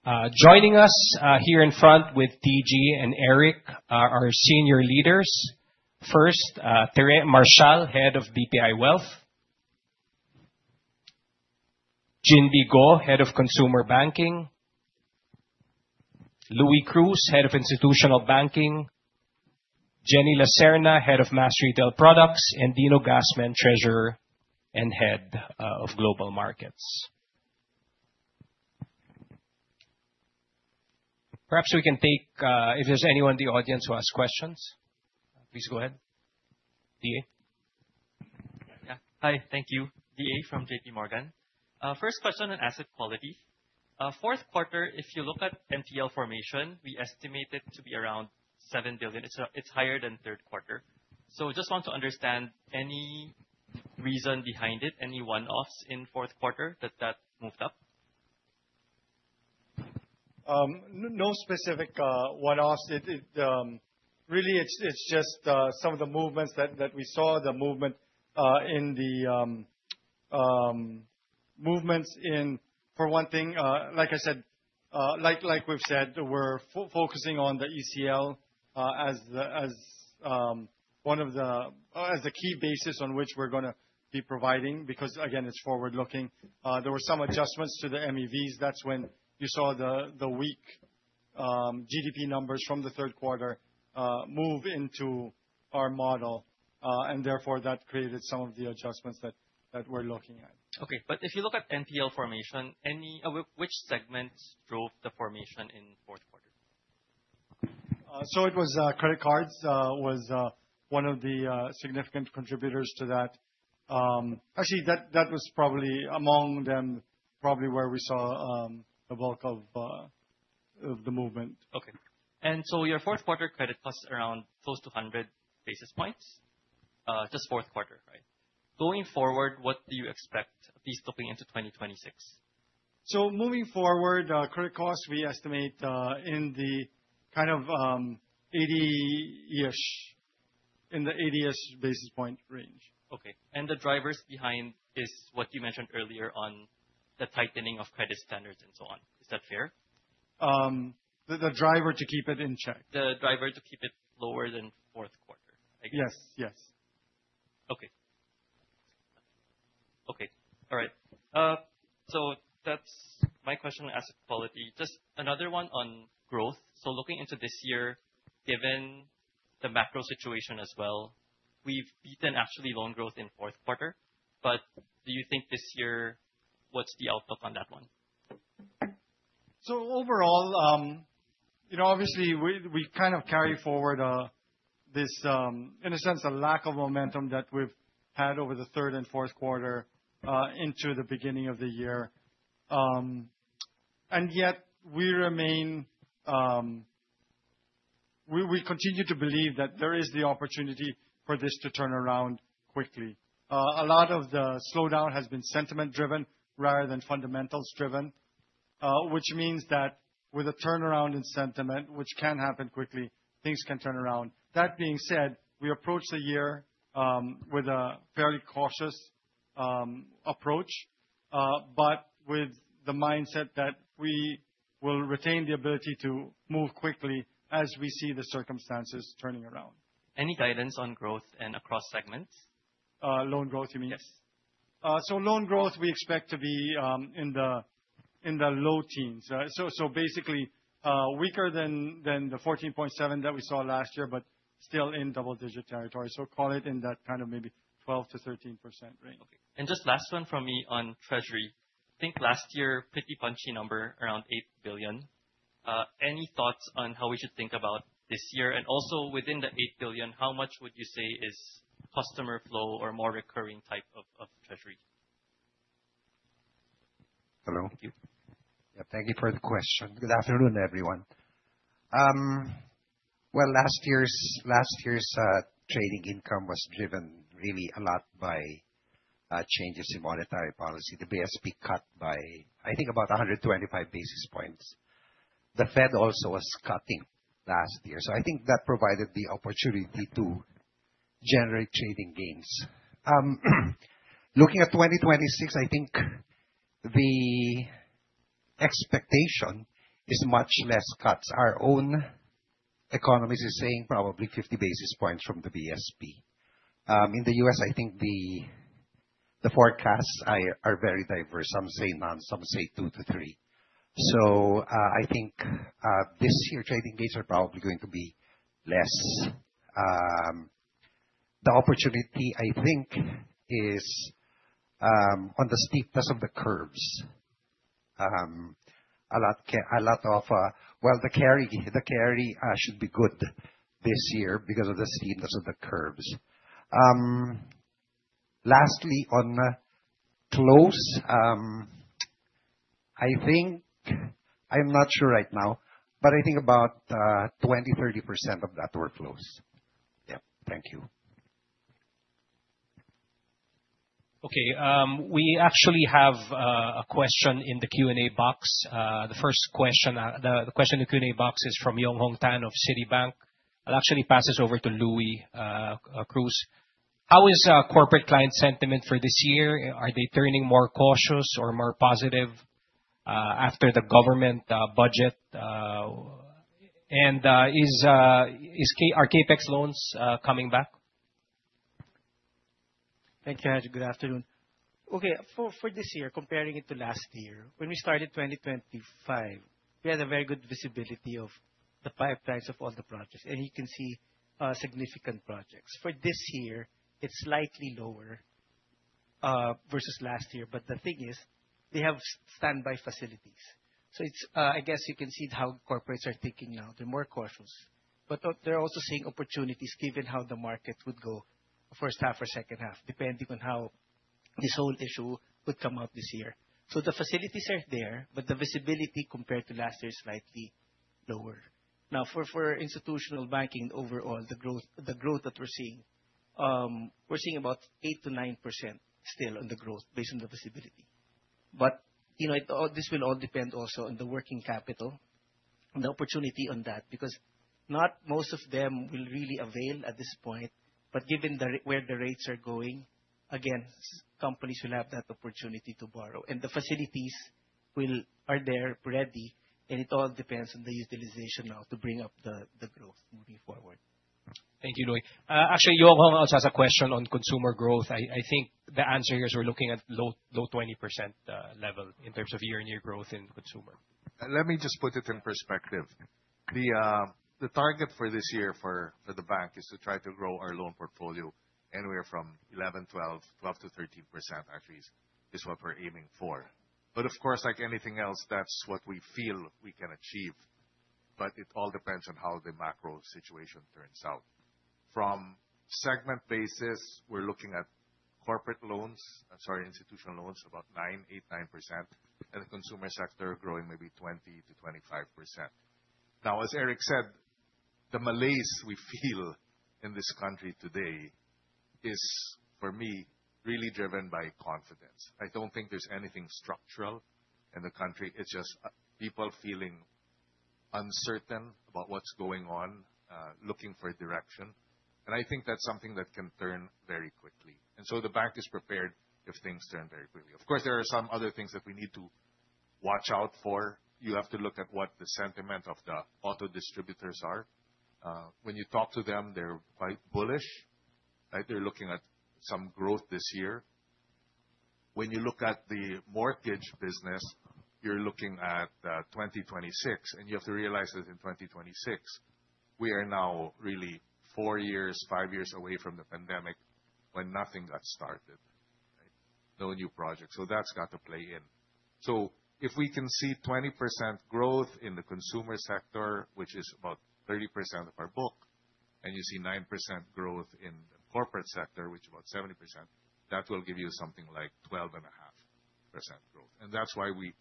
Joining us here in front with TG and Eric are our senior leaders. First, Tere Marcial, Head of BPI Wealth. Ginbee Go, Head of Consumer Banking. Luis Cruz, Head of Institutional Banking. Jenelyn Lacerna, Head of Mass Retail Products. And Dino Gasmen, Treasurer and Head of Global Markets. Perhaps we can take if there's anyone in the audience who has questions, please go ahead. DA? Yeah. Hi. Thank you. DA from JP Morgan. First question on asset quality. Q4, if you look at NPL formation, we estimate it to be around 7 billion. It's higher than Q3. Just want to understand any reason behind it, any one-offs in Q4 that moved up? No specific one-offs. It really is just some of the movements that we saw. For one thing, like we've said, we're focusing on the ECL as the key basis on which we're going to be providing, because again, it's forward-looking. There were some adjustments to the MEV. That's when you saw the weakening GDP numbers from the Q3 move into our model, and therefore that created some of the adjustments that we're looking at. If you look at NPL formation, which segments drove the formation in Q4? It was credit cards, one of the significant contributors to that. Actually, that was probably among them, probably where we saw the bulk of the movement. Okay. Your Q4 credit costs around close to 100 basis points. Just Q4, right? Going forward, what do you expect these flipping into 2026? Moving forward, credit costs, we estimate in the kind of 80-ish basis point range. Okay. The drivers behind is what you mentioned earlier on the tightening of credit standards and so on. Is that fair? The driver to keep it in check. The driver to keep it lower than Q4, I guess. Yes. Yes. That's my question on asset quality. Just another one on growth. Looking into this year, given the macro situation as well, we've beaten actually loan growth in Q4, but do you think this year, what's the outlook on that one? overall obviously we kind of carry forward this, in a sense, a lack of momentum that we've had over the third and Q4 into the beginning of the year. Yet we remain, we continue to believe that there is the opportunity for this to turn around quickly. A lot of the slowdown has been sentiment driven rather than fundamentals driven, which means that with a turnaround in sentiment, which can happen quickly, things can turn around. That being said, we approach the year with a fairly cautious approach, but with the mindset that we will retain the ability to move quickly as we see the circumstances turning around. Any guidance on growth and across segments? Loan growth you mean? Yes. Loan growth we expect to be in the low teens. Basically, weaker than the 14.7% that we saw last year, but still in double digit territory. Call it in that kind of maybe 12%-13% range. Just last one from me on treasury. I think last year, pretty punchy number around 8 billion. Any thoughts on how we should think about this year? Also within the 8 billion, how much would you say is customer flow or more recurring type of treasury? Hello. Thank you. Yeah, thank you for the question. Good afternoon, everyone. Well, last year's trading income was driven really a lot by changes in monetary policy. The BSP cut by, I think, about 125 basis points. The Fed also was cutting last year. So I think that provided the opportunity to generate trading gains. Looking at 2026, I think the expectation is much less cuts. Our own economy is saying probably 50 basis points from the BSP. In the US, I think the forecasts are very diverse. Some say none, some say 2-3. So I think this year trading gains are probably going to be less. The opportunity I think is on the steepness of the curves. A lot of, well, the carry should be good this year because of the steepness of the curves. Lastly, on close, I think I'm not sure right now, but I think about 20%-30% of that were close. Yeah. Thank you. Okay. We actually have a question in the Q&A box. The first question in the Q&A box is from Tan Yong Hong of Citi. I'll actually pass this over to Louie Cruz. How is corporate client sentiment for this year? Are they turning more cautious or more positive after the government budget? And are CapEx loans coming back? Thank you. Good afternoon. Okay. For this year, comparing it to last year, when we started 2025, we had a very good visibility of the pipelines of all the projects, and you can see significant projects. For this year, it's slightly lower versus last year. The thing is, we have standby facilities. It's I guess you can see how corporates are thinking now. They're more cautious. They're also seeing opportunities given how the market would go first half or second half, depending on how this whole issue would come out this year. The facilities are there, but the visibility compared to last year is slightly lower. Now, for institutional banking overall, the growth that we're seeing, we're seeing about 8%-9% still on the growth based on the visibility. this will all depend also on the working capital and the opportunity on that. Because not most of them will really avail at this point, but given where the rates are going, again, small companies will have that opportunity to borrow. The facilities are there ready, and it all depends on the utilization now to bring up the growth moving forward. Thank you, Louie. Actually, Johan also has a question on consumer growth. I think the answer here is we're looking at low 20% level in terms of year-on-year growth in consumer. Let me just put it in perspective. The target for this year for the bank is to try to grow our loan portfolio anywhere from 11-13%, at least, is what we're aiming for. Of course, like anything else, that's what we feel we can achieve, but it all depends on how the macro situation turns out. On a segment basis, we're looking at institutional loans, about 8-9%, and the consumer sector growing maybe 20-25%. Now, as Eric said, the malaise we feel in this country today is, for me, really driven by confidence. I don't think there's anything structural in the country. It's just people feeling uncertain about what's going on, looking for direction, and I think that's something that can turn very quickly. The bank is prepared if things turn very quickly. Of course, there are some other things that we need to watch out for. You have to look at what the sentiment of the auto distributors are. When you talk to them, they're quite bullish, right? They're looking at some growth this year. When you look at the mortgage business, you're looking at 2026, and you have to realize that in 2026, we are now really four years, five years away from the pandemic, when nothing got started. No new projects. That's got to play in. If we can see 20% growth in the consumer sector, which is about 30% of our book, and you see 9% growth in the corporate sector, which is about 70%, that will give you something like 12.5% growth. That's why we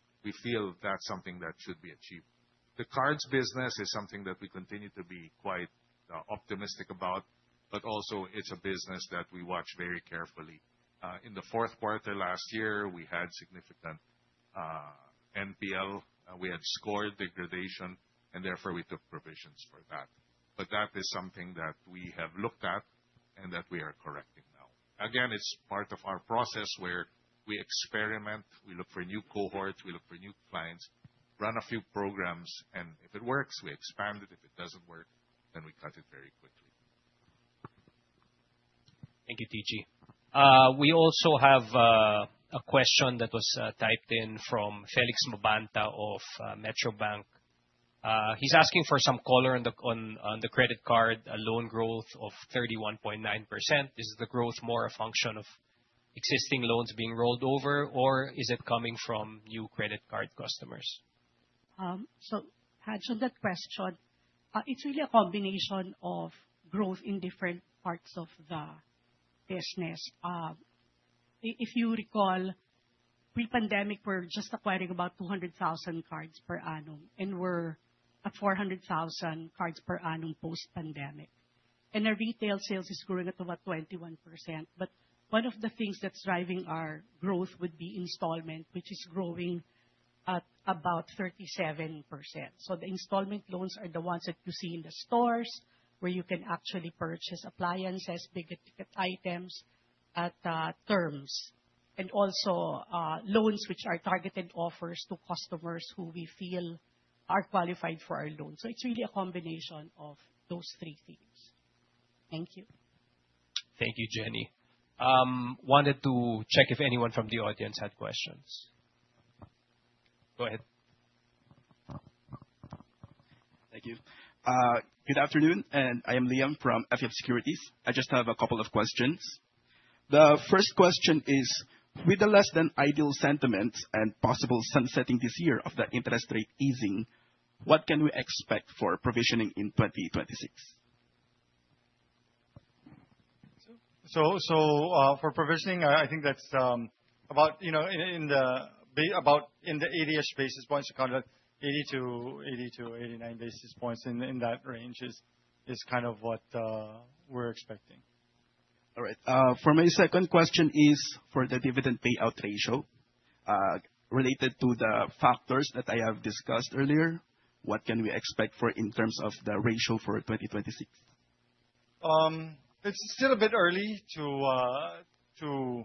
feel that's something that should be achieved. The cards business is something that we continue to be quite optimistic about, but also it's a business that we watch very carefully. In the Q4 last year, we had significant NPL. We had score degradation, and therefore we took provisions for that. That is something that we have looked at and that we are correcting now. It's part of our process where we experiment, we look for new cohorts, we look for new clients, run a few programs, and if it works, we expand it. If it doesn't work, then we cut it very quickly. Thank you, TG. We also have a question that was typed in from Felix Mabanta of Metrobank. He's asking for some color on the credit card loan growth of 31.9%. Is the growth more a function of existing loans being rolled over, or is it coming from new credit card customers? To answer that question, it's really a combination of growth in different parts of the business. If you recall, pre-pandemic, we're just acquiring about 200,000 cards per annum, and we're at 400,000 cards per annum post-pandemic. Our retail sales is growing at about 21%, but one of the things that's driving our growth would be installment, which is growing at about 37%. The installment loans are the ones that you see in the stores, where you can actually purchase appliances, bigger ticket items at terms. Also, loans which are targeted offers to customers who we feel are qualified for our loans. It's really a combination of those three things. Thank you. Thank you, Jenny. Wanted to check if anyone from the audience had questions. Go ahead. Thank you. Good afternoon, and I am Liam from F. Yap Securities. I just have a couple of questions. The first question is, with the less than ideal sentiments and possible sunsetting this year of the interest rate easing, what can we expect for provisioning in 2026? For provisioning, I think that's about in the 80-ish basis points, kind of 80-89 basis points in that range is kind of what we're expecting. All right. For my second question is for the dividend payout ratio. Related to the factors that I have discussed earlier, what can we expect for in terms of the ratio for 2026? It's still a bit early to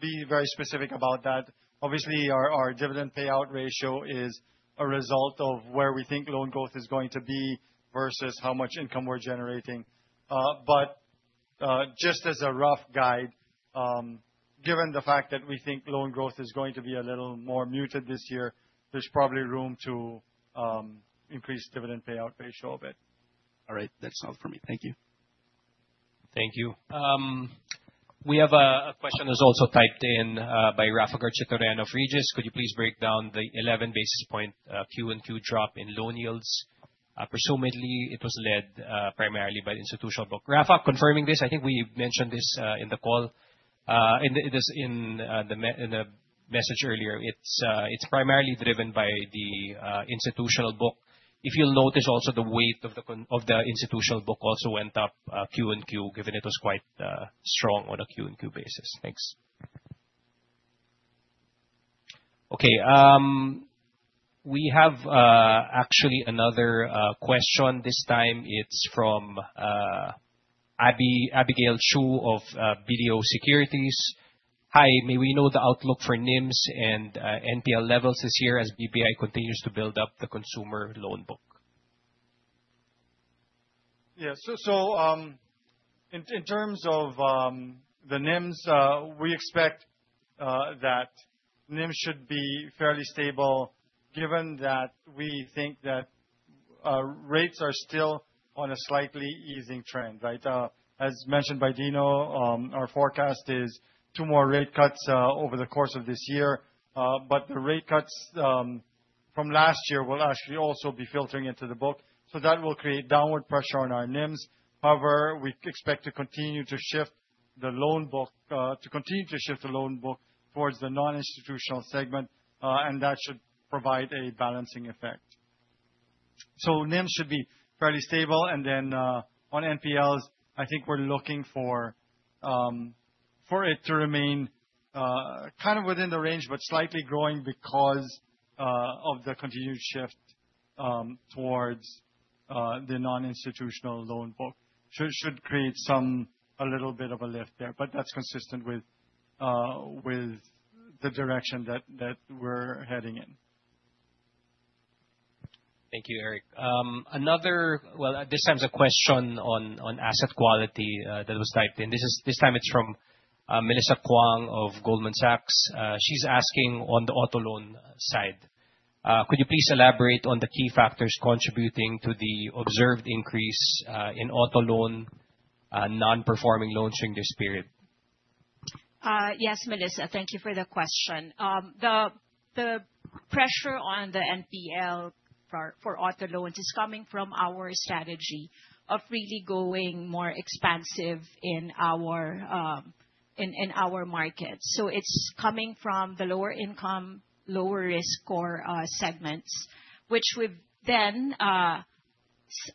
be very specific about that. Obviously our dividend payout ratio is a result of where we think loan growth is going to be versus how much income we're generating. Just as a rough guide, given the fact that we think loan growth is going to be a little more muted this year, there's probably room to increase dividend payout ratio a bit. All right. That's all for me. Thank you. Thank you. We have a question that's also typed in by Rafael Garchitorena of Regis. Could you please break down the 11 basis point QOQ drop in loan yields? Presumably, it was led primarily by the institutional book. Rafael, confirming this, I think we mentioned this in the call. It is in the message earlier. It's primarily driven by the institutional book. If you'll notice also the weight of the institutional book also went up QOQ, given it was quite strong on a QOQ basis. Thanks. Okay, we have actually another question. This time it's from Abigail Chiw of BDO Securities. Hi, may we know the outlook for NIMs and NPL levels this year as BPI continues to build up the consumer loan book? In terms of the NIMs, we expect that NIMs should be fairly stable given that we think that rates are still on a slightly easing trend, right? As mentioned by Dino, our forecast is 2 more rate cuts over the course of this year. The rate cuts from last year will actually also be filtering into the book. That will create downward pressure on our NIMs. However, we expect to continue to shift the loan book towards the non-institutional segment, and that should provide a balancing effect. NIMs should be fairly stable. On NPLs, I think we're looking for it to remain kind of within the range but slightly growing because of the continued shift towards the non-institutional loan book. Should create a little bit of a lift there, but that's consistent with the direction that we're heading in. Thank you, Eric. Well, this time it's a question on asset quality that was typed in. This time it's from Melissa Kuang of Goldman Sachs. She's asking on the auto loan side. Could you please elaborate on the key factors contributing to the observed increase in auto loan non-performing loans during this period? Yes, Melissa. Thank you for the question. The pressure on the NPL for auto loans is coming from our strategy of really going more expansive in our market. It's coming from the lower income, lower risk score segments, which we've then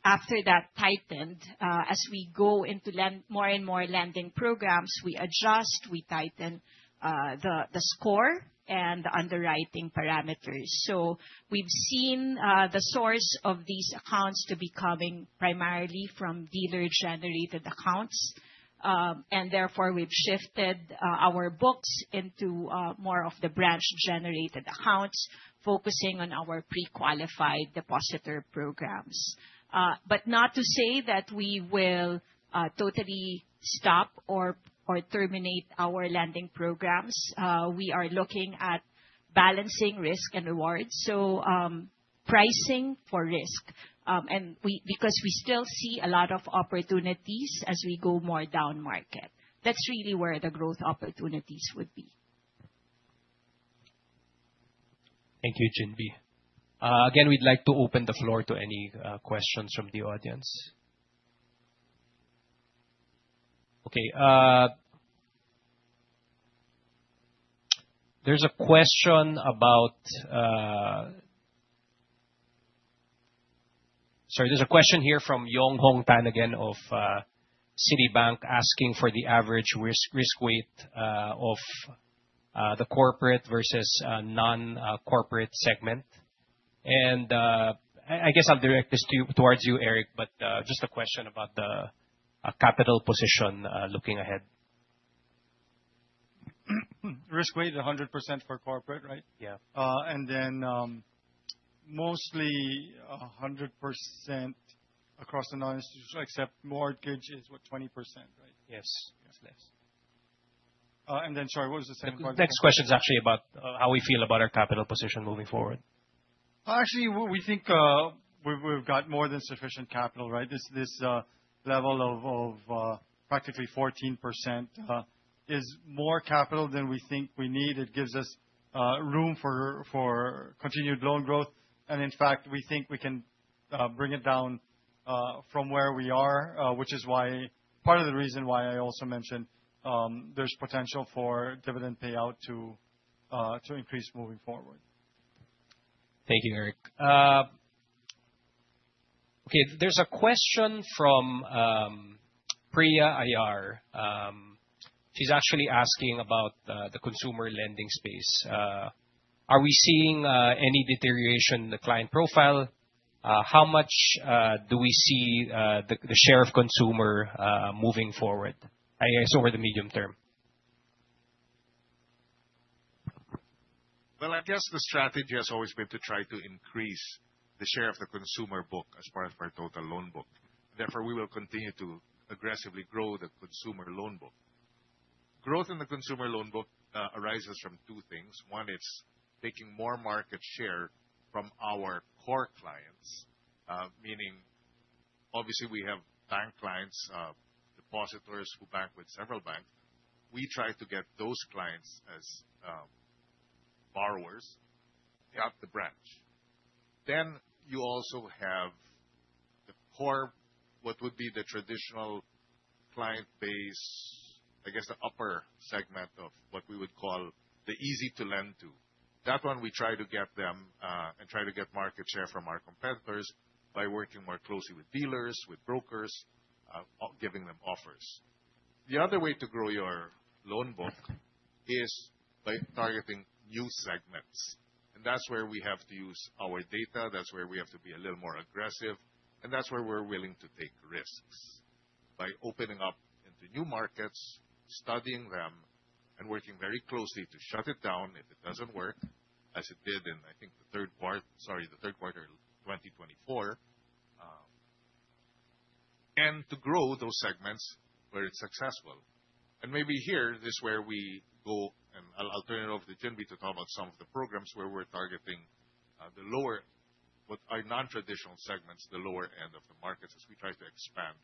after that tightened. As we go into more and more lending programs, we adjust, we tighten the score and the underwriting parameters. We've seen the source of these accounts to be coming primarily from dealer-generated accounts. Therefore, we've shifted our books into more of the branch-generated accounts, focusing on our pre-qualified depositor programs. Not to say that we will totally stop or terminate our lending programs. We are looking at balancing risk and reward. Pricing for risk. Because we still see a lot of opportunities as we go more down market. That's really where the growth opportunities would be. Thank you, Ginbee. Again, we'd like to open the floor to any questions from the audience. Okay. Sorry. There's a question here from Tan Yong Hong again of Citi, asking for the average risk weight of the corporate versus non-corporate segment. I guess I'll direct this towards you, Eric, but just a question about the capital position looking ahead. Risk weight, 100% for corporate, right? Yeah. Mostly 100% across the non-institutions, except mortgage is what, 20%, right? Yes. It's less. Sorry, what was the second part of the question? The next question is actually about how we feel about our capital position moving forward. Actually, we think we've got more than sufficient capital, right? This level of practically 14% is more capital than we think we need. It gives us room for continued loan growth. In fact, we think we can bring it down from where we are, which is why, part of the reason why I also mentioned, there's potential for dividend payout to increase moving forward. Thank you, Eric. Okay. There's a question from Priya Iyer. She's actually asking about the consumer lending space. Are we seeing any deterioration in the client profile? How much do we see the share of consumer moving forward, I guess, over the medium term? Well, I guess the strategy has always been to try to increase the share of the consumer book as part of our total loan book. Therefore, we will continue to aggressively grow the consumer loan book. Growth in the consumer loan book arises from two things. One is taking more market share from our core clients, meaning obviously we have bank clients, depositors who bank with several banks. We try to get those clients as borrowers at the branch. You also have the core, what would be the traditional client base, I guess the upper segment of what we would call the easy to lend to. That one, we try to get them, and try to get market share from our competitors by working more closely with dealers, with brokers, giving them offers. The other way to grow your loan book is by targeting new segments, and that's where we have to use our data, that's where we have to be a little more aggressive, and that's where we're willing to take risks. By opening up into new markets, studying them, and working very closely to shut it down if it doesn't work, as it did in, I think, the Q3 of 2024, and to grow those segments where it's successful. Maybe here is where we go, and I'll turn it over to Ginbee Go to talk about some of the programs where we're targeting the lower. Our non-traditional segments, the lower end of the markets as we try to expand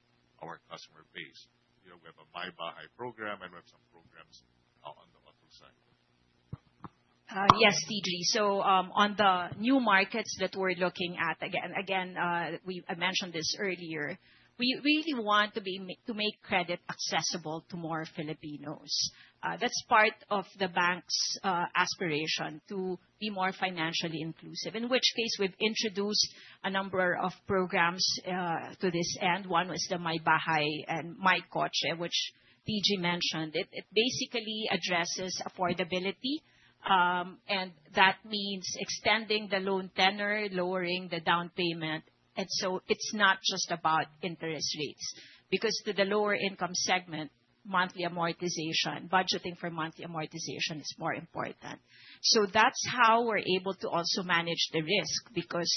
our customer base. We have a My Bahay program, and we have some programs on the auto side. Yes, TG. On the new markets that we're looking at, again, I mentioned this earlier. We really want to make credit accessible to more Filipinos. That's part of the bank's aspiration to be more financially inclusive. In which case, we've introduced a number of programs to this end. One was the My Bahay and MyKotse, which TG mentioned. It basically addresses affordability, and that means extending the loan tenure, lowering the down payment. It's not just about interest rates. Because to the lower income segment, monthly amortization, budgeting for monthly amortization is more important. That's how we're able to also manage the risk, because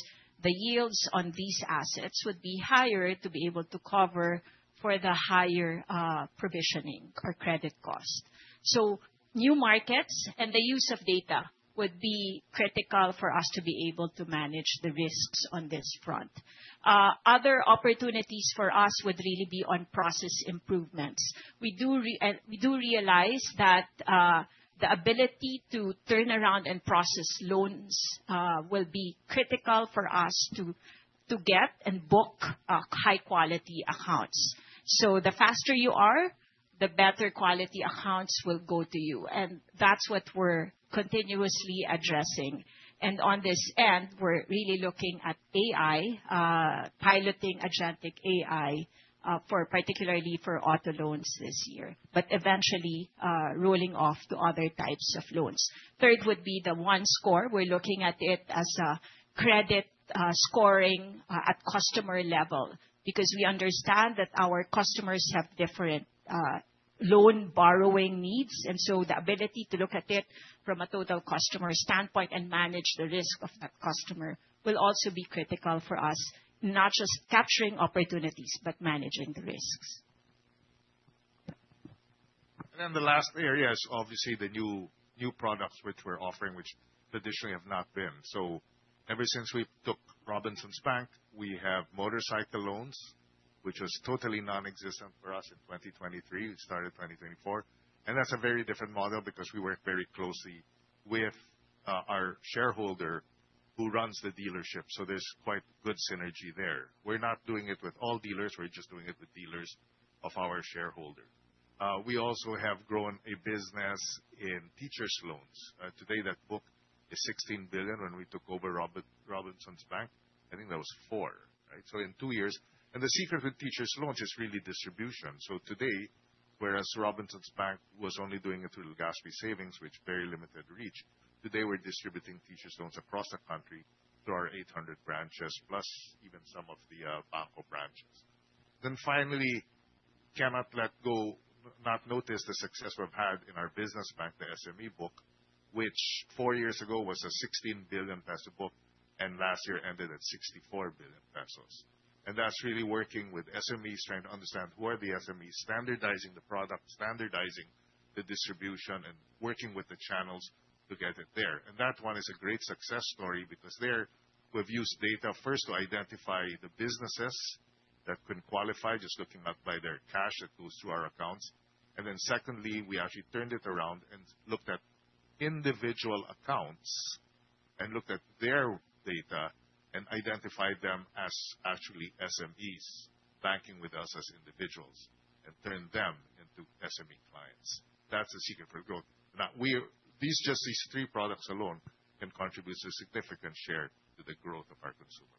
the yields on these assets would be higher to be able to cover for the higher provisioning or credit cost. New markets and the use of data would be critical for us to be able to manage the risks on this front. Other opportunities for us would really be on process improvements. We do realize that the ability to turn around and process loans will be critical for us to get and book high quality accounts. The faster you are, the better quality accounts will go to you, and that's what we're continuously addressing. On this end, we're really looking at AI, piloting agentic AI for particularly for auto loans this year. Eventually, rolling off to other types of loans. Third would be the OneScore. We're looking at it as a credit scoring at customer level. Because we understand that our customers have different loan borrowing needs, and so the ability to look at it from a total customer standpoint and manage the risk of that customer will also be critical for us, not just capturing opportunities, but managing the risks. Then the last area is obviously the new products which we're offering, which traditionally have not been. Ever since we took Robinsons Bank, we have motorcycle loans, which was totally non-existent for us in 2023. It started 2024. That's a very different model because we work very closely with our shareholder who runs the dealership, so there's quite good synergy there. We're not doing it with all dealers, we're just doing it with dealers of our shareholder. We also have grown a business in teachers loans. Today that book is 16 billion. When we took over Robinsons Bank, I think that was 4 billion, right? In two years the secret with teachers loans is really distribution. Today, whereas Robinsons Bank was only doing it through Legazpi Savings, which very limited reach, today we're distributing teachers loans across the country through our 800 branches, plus even some of the BanKo branches. Finally, cannot let it go unnoticed the success we've had in our business bank, the SME book, which four years ago was a 16 billion peso book, and last year ended at 64 billion pesos. That one is a great success story because there we've used data first to identify the businesses that can qualify, just looking up by their cash that goes through our accounts. Secondly, we actually turned it around and looked at individual accounts, and looked at their data, and identified them as actually SMEs banking with us as individuals, and turned them into SME clients. That's the secret for growth. These, just these three products alone can contribute a significant share to the growth of our consumer.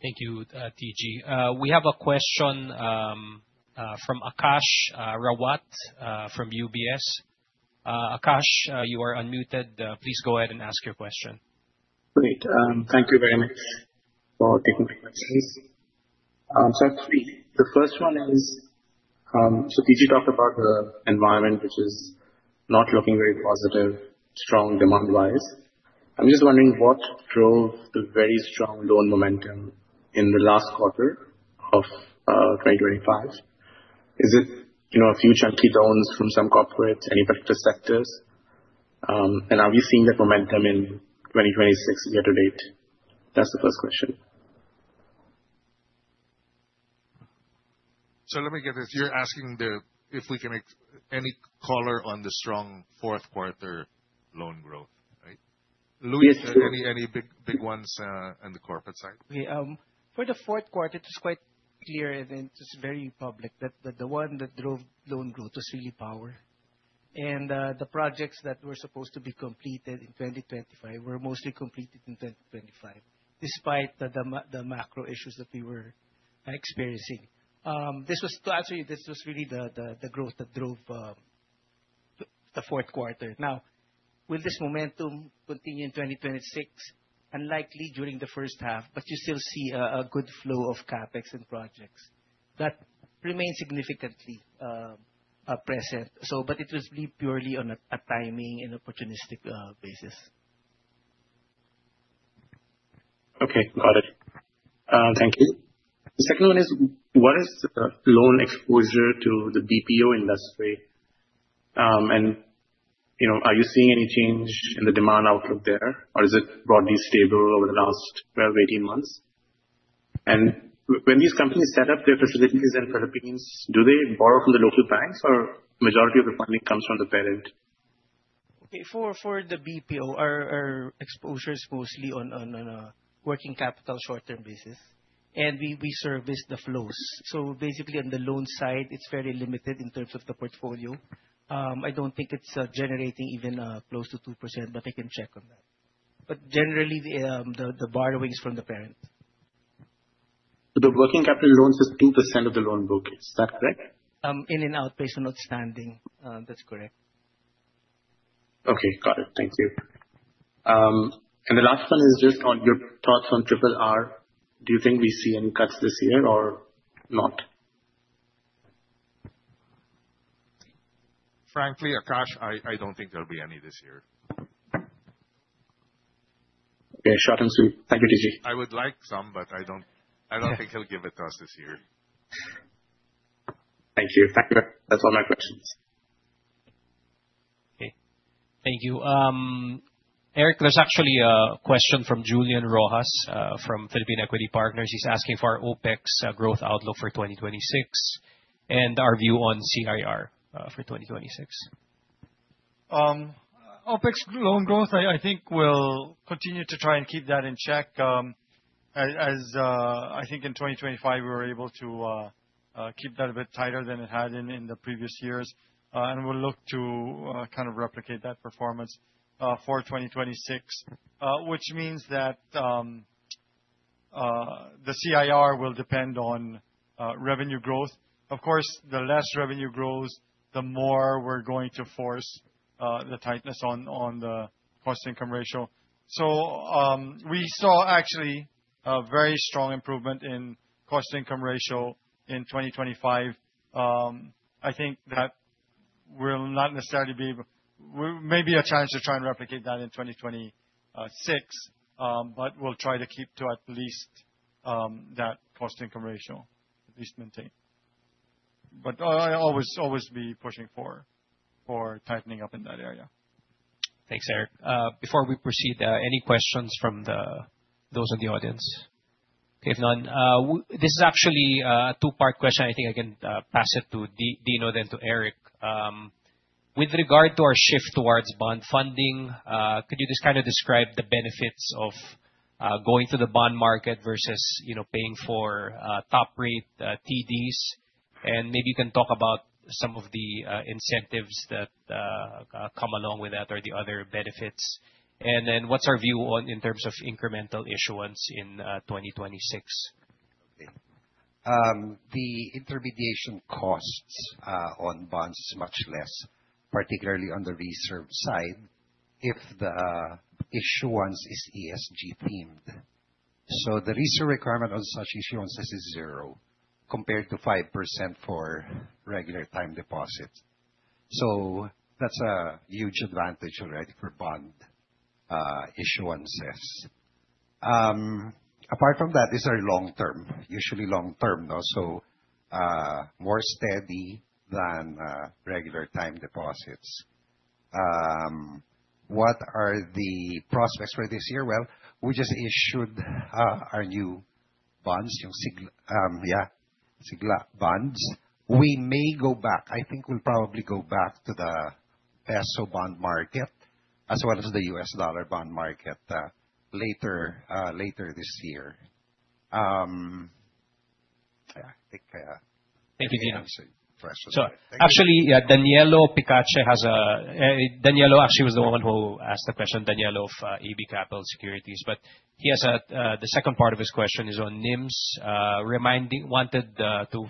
Thank you, TG. We have a question from Aakash Rawat from UBS. Aakash, you are unmuted. Please go ahead and ask your question. Great. Thank you very much for taking my questions. Actually, the first one is, TG talked about the environment, which is not looking very positive, strong demand-wise. I'm just wondering what drove the very strong loan momentum in the last quarter of 2025? Is it a few chunky loans from some corporates, any particular sectors? Are we seeing that momentum in 2026 year to date? That's the first question. Let me get this. You're asking if we can provide any color on the strong Q4 loan growth, right? Yes. Luis, any big ones on the corporate side? For the Q4, it is quite clear and it is very public that the one that drove loan growth was really power. The projects that were supposed to be completed in 2025 were mostly completed in 2025, despite the macro issues that we were experiencing. This was really the growth that drove the Q4. Now, will this momentum continue in 2026? Unlikely during the first half, but you still see a good flow of CapEx and projects. That remains significantly present. But it was really purely on a timing and opportunistic basis. Okay. Got it. Thank you. The second one is, what is the loan exposure to the BPO industry? Are you seeing any change in the demand outlook there, or is it broadly stable over the last 12-18 months? When these companies set up their facilities in Philippines, do they borrow from the local banks or majority of the funding comes from the parent? Okay. For the BPO, our exposure is mostly on a working capital short-term basis, and we service the flows. Basically, on the loan side, it's very limited in terms of the portfolio. I don't think it's generating even close to 2%, but I can check on that. Generally, the borrowing is from the parent. The working capital loans is 2% of the loan book. Is that correct? In an outstanding, that's correct. Okay. Got it. Thank you. The last one is just on your thoughts on RRR. Do you think we see any cuts this year or not? Frankly, Aakash, I don't think there'll be any this year. Okay. Short and sweet. Thank you, TG. I would like some, but I don't think he'll give it to us this year. Thank you. Thank you. That's all my questions. Okay. Thank you. Eric, there's actually a question from Julian Rojas from Philippine Equity Partners. He's asking for our OpEx growth outlook for 2026 and our view on CIR for 2026. OpEx loan growth, I think we'll continue to try and keep that in check. I think in 2025, we were able to keep that a bit tighter than it had been in the previous years, and we'll look to kind of replicate that performance for 2026, which means that the CIR will depend on revenue growth. Of course, the less revenue grows, the more we're going to force the tightness on the cost-income ratio. We saw actually a very strong improvement in cost-income ratio in 2025. I think that will not necessarily be. Maybe a chance to try and replicate that in 2026. We'll try to keep to at least that cost-income ratio, at least maintain. I always be pushing for tightening up in that area. Thanks, Eric. Before we proceed, any questions from those in the audience? If none, this is actually a two-part question. I think I can pass it to Dino then to Eric. With regard to our shift towards bond funding, could you just kind of describe the benefits of going to the bond market versus paying for top rate TDs? Maybe you can talk about some of the incentives that come along with that or the other benefits. Then what's our view on, in terms of incremental issuance in 2026? The intermediation costs on bonds is much less, particularly on the reserve side, if the issuance is ESG-themed. The reserve requirement on such issuances is zero, compared to 5% for regular time deposit. That's a huge advantage already for bond issuances. Apart from that, these are long-term, usually, though, so more steady than regular time deposits. What are the prospects for this year? Well, we just issued our new bonds, SIGLA bonds. We may go back. I think we'll probably go back to the Peso bond market as well as the US dollar bond market, later this year. Yeah, I think I. Thank you, Dino. Actually, yeah, Danilo Picache was the one who asked the question, Danielo of AB Capital Securities. He has the second part of his question is on NIMs, wanted to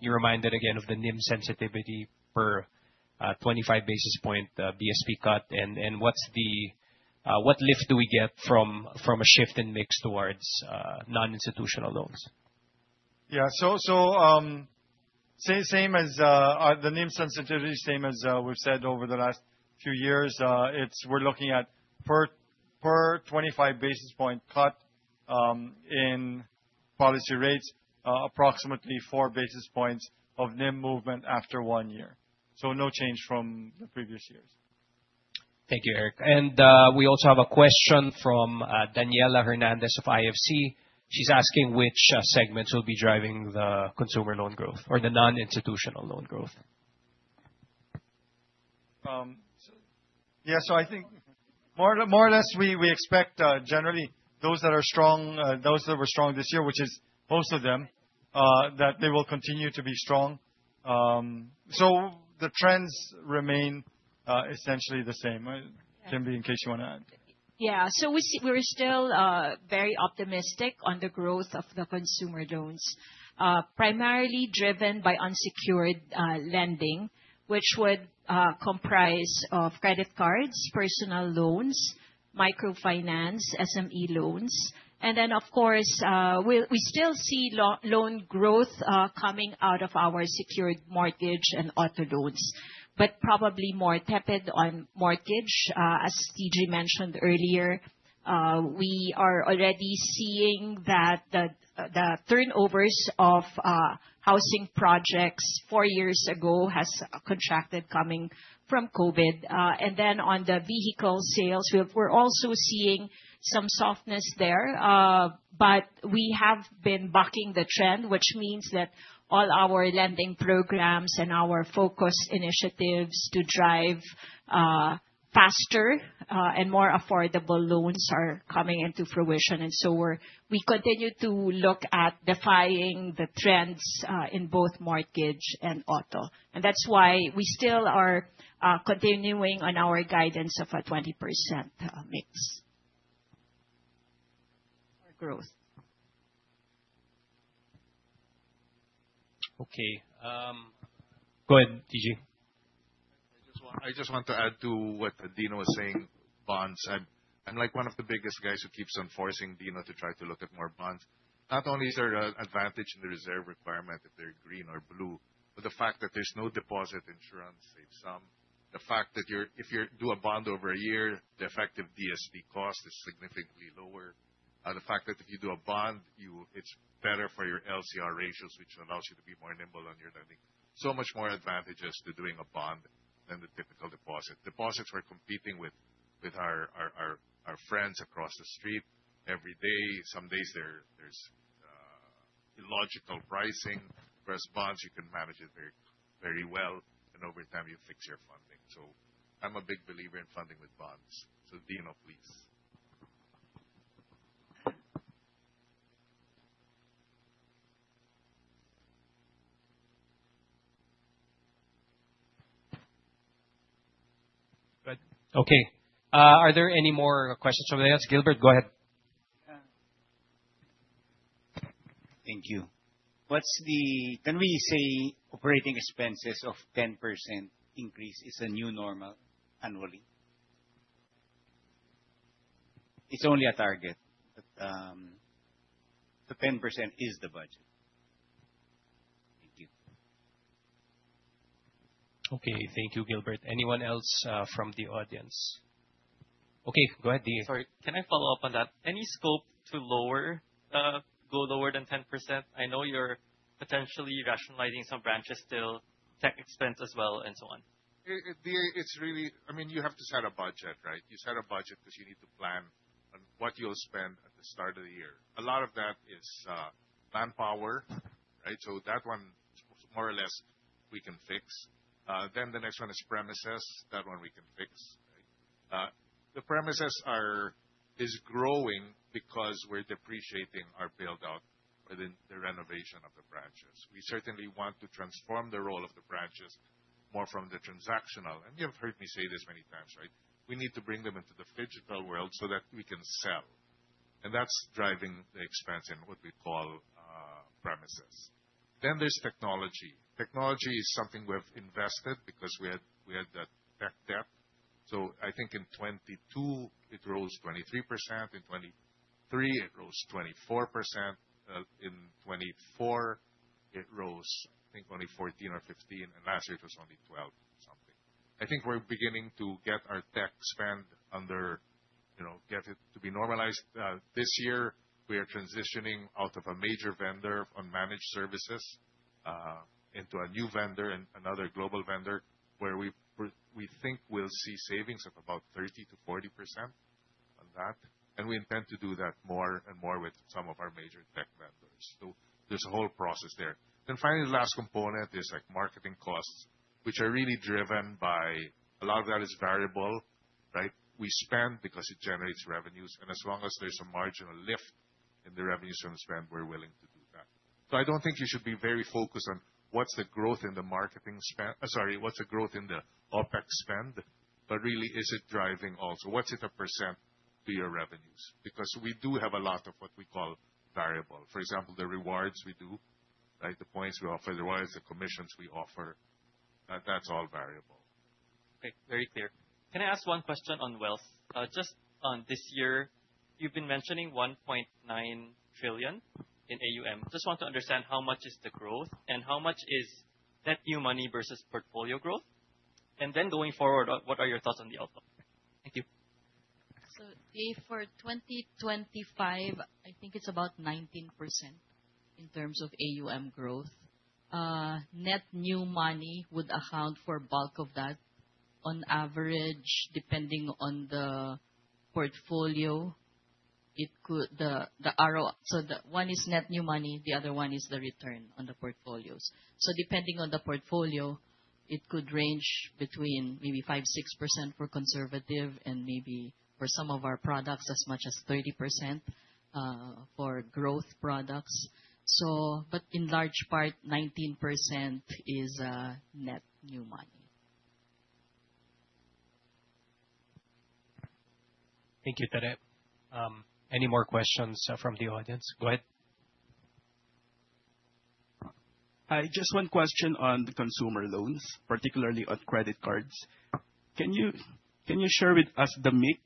be reminded again of the NIM sensitivity for 25 basis point BSP cut and what's the what lift do we get from a shift in mix towards non-institutional loans? Same as the NIM sensitivity, same as we've said over the last few years. We're looking at per 25 basis point cut in policy rates, approximately 4 basis points of NIM movement after 1 year. No change from the previous years. Thank you, Eric. We also have a question from Daniella Hernandez of IFC. She's asking which segments will be driving the consumer loan growth or the non-institutional loan growth. Yeah, I think More or less, we expect generally those that are strong, those that were strong this year, which is most of them, that they will continue to be strong. The trends remain essentially the same, right? Maria Cristina Go, in case you want to add. Yeah. We're still very optimistic on the growth of the consumer loans. Primarily driven by unsecured lending, which would comprise of credit cards, personal loans, microfinance, SME loans. Of course, we still see loan growth coming out of our secured mortgage and auto loans. Probably more tepid on mortgage, as TG mentioned earlier. We are already seeing that the turnovers of housing projects four years ago has contracted coming from COVID-19. On the vehicle sales, we're also seeing some softness there. We have been bucking the trend, which means that all our lending programs and our focus initiatives to drive faster and more affordable loans are coming into fruition. We're We continue to look at defying the trends in both mortgage and auto. That's why we still are continuing on our guidance of a 20% mix or growth. Okay. Go ahead, TG. I just want to add to what Dino was saying, bonds. I'm like one of the biggest guys who keeps on forcing Dino to try to look at more bonds. Not only is there an advantage in the reserve requirement if they're green or blue, but the fact that there's no deposit insurance save some. The fact that if you do a bond over a year, the effective BSP cost is significantly lower. The fact that if you do a bond, it's better for your LCR ratios, which allows you to be more nimble on your lending. So much more advantages to doing a bond than the typical deposit. Deposits we're competing with our friends across the street every day. Some days there's illogical pricing. Whereas bonds, you can manage it very, very well, and over time you fix your funding. I'm a big believer in funding with bonds. Dino, please. Go ahead. Okay. Are there any more questions from the audience? Gilbert, go ahead. Thank you. Can we say operating expenses of 10% increase is a new normal annually? It's only a target. The 10% is the budget. Thank you. Okay, thank you, Gilbert. Anyone else from the audience? Okay, go ahead, Dia. Sorry, can I follow up on that? Any scope to lower, go lower than 10%? I know you're potentially rationalizing some branches still, tech expense as well, and so on. Dia, it's really. I mean, you have to set a budget, right? You set a budget 'cause you need to plan on what you'll spend at the start of the year. A lot of that is manpower, right? So that one more or less we can fix. Then the next one is premises. That one we can fix. The premises is growing because we're depreciating our build-out within the renovation of the branches. We certainly want to transform the role of the branches more from the transactional. You have heard me say this many times, right? We need to bring them into the phygital world so that we can sell. That's driving the expense in what we call premises. Then there's technology. Technology is something we have invested because we had that tech depth. I think in 2022 it rose 23%, in 2023 it rose 24%, in 2024 it rose I think only 14 or 15, and last year it was only 12 or something. I think we're beginning to get our tech spend under get it to be normalized. This year we are transitioning out of a major vendor on managed services, into a new vendor and another global vendor, where we think we'll see savings of about 30%-40% on that. We intend to do that more and more with some of our major tech vendors. There's a whole process there. Finally, the last component is like marketing costs, which are really driven by. A lot of that is variable, right? We spend because it generates revenues, and as long as there's a marginal lift in the revenues from spend, we're willing to do that. I don't think you should be very focused on what's the growth in the OpEx spend, but really is it driving also? What's it a percent to your revenues? Because we do have a lot of what we call variable. For example, the rewards we do, right? The points we offer, the rewards, the commissions we offer. That's all variable. Okay. Very clear. Can I ask one question on wealth? Just on this year, you've been mentioning 1.9 trillion in AUM. Just want to understand how much is the growth and how much is net new money versus portfolio growth. Going forward, what are your thoughts on the outlook? Thank you. Dia, for 2025, I think it's about 19% in terms of AUM growth. Net new money would account for bulk of that. The one is net new money, the other one is the return on the portfolios. Depending on the portfolio, it could range between maybe 5%-6% for conservative and maybe for some of our products, as much as 30%, for growth products. But in large part, 19% is net new money. Thank you, Tere. Any more questions from the audience? Go ahead. Hi. Just one question on the consumer loans, particularly on credit cards. Can you share with us the mix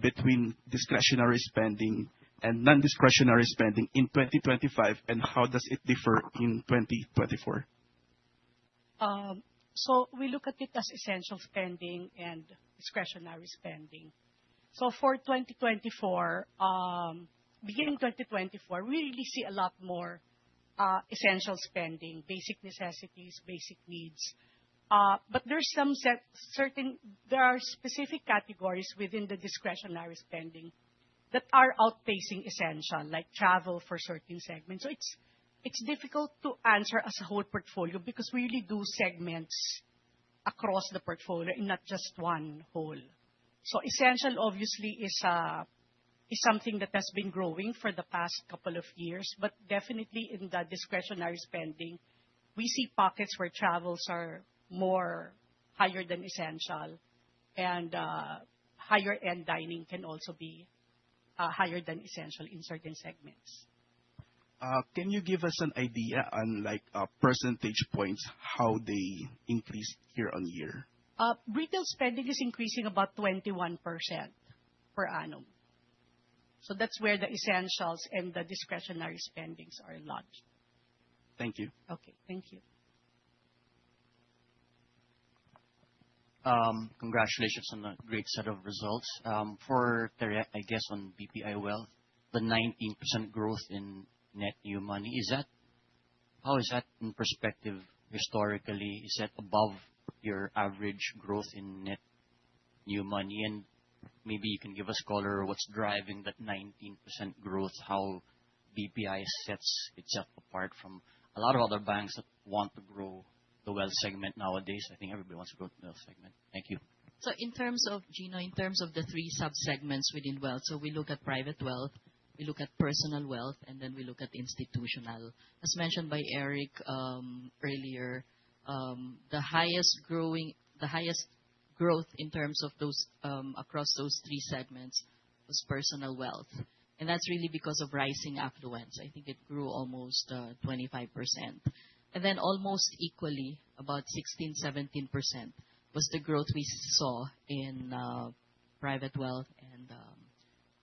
between discretionary spending and non-discretionary spending in 2025, and how does it differ in 2024? We look at it as essential spending and discretionary spending. For 2024, beginning 2024, we really see a lot more essential spending, basic necessities, basic needs. There are certain. There are specific categories within the discretionary spending that are outpacing essential, like travel for certain segments. It's difficult to answer as a whole portfolio because we really do segments across the portfolio and not just one whole. Essential obviously is something that has been growing for the past couple of years. Definitely in the discretionary spending, we see pockets where travels are more higher than essential and, higher end dining can also be, higher than essential in certain segments. Can you give us an idea on like percentage points, how they increased year-on-year? Retail spending is increasing about 21% per annum. That's where the essentials and the discretionary spending are large. Thank you. Okay. Thank you. Congratulations on the great set of results. For Tere, I guess on BPI Wealth, the 19% growth in net new money, how is that in perspective historically? Is that above your average growth in net new money? Maybe you can give us color what's driving that 19% growth, how BPI sets itself apart from a lot of other banks that want to grow the wealth segment nowadays. I think everybody wants to grow the wealth segment. Thank you. In terms of Gino, in terms of the three sub-segments within wealth, we look at private wealth, we look at personal wealth, and then we look at institutional. As mentioned by Eric earlier, the highest growing, the highest growth in terms of those across those three segments was personal wealth, and that's really because of rising affluence. I think it grew almost 25%. Then almost equally, about 16%-17% was the growth we saw in private wealth and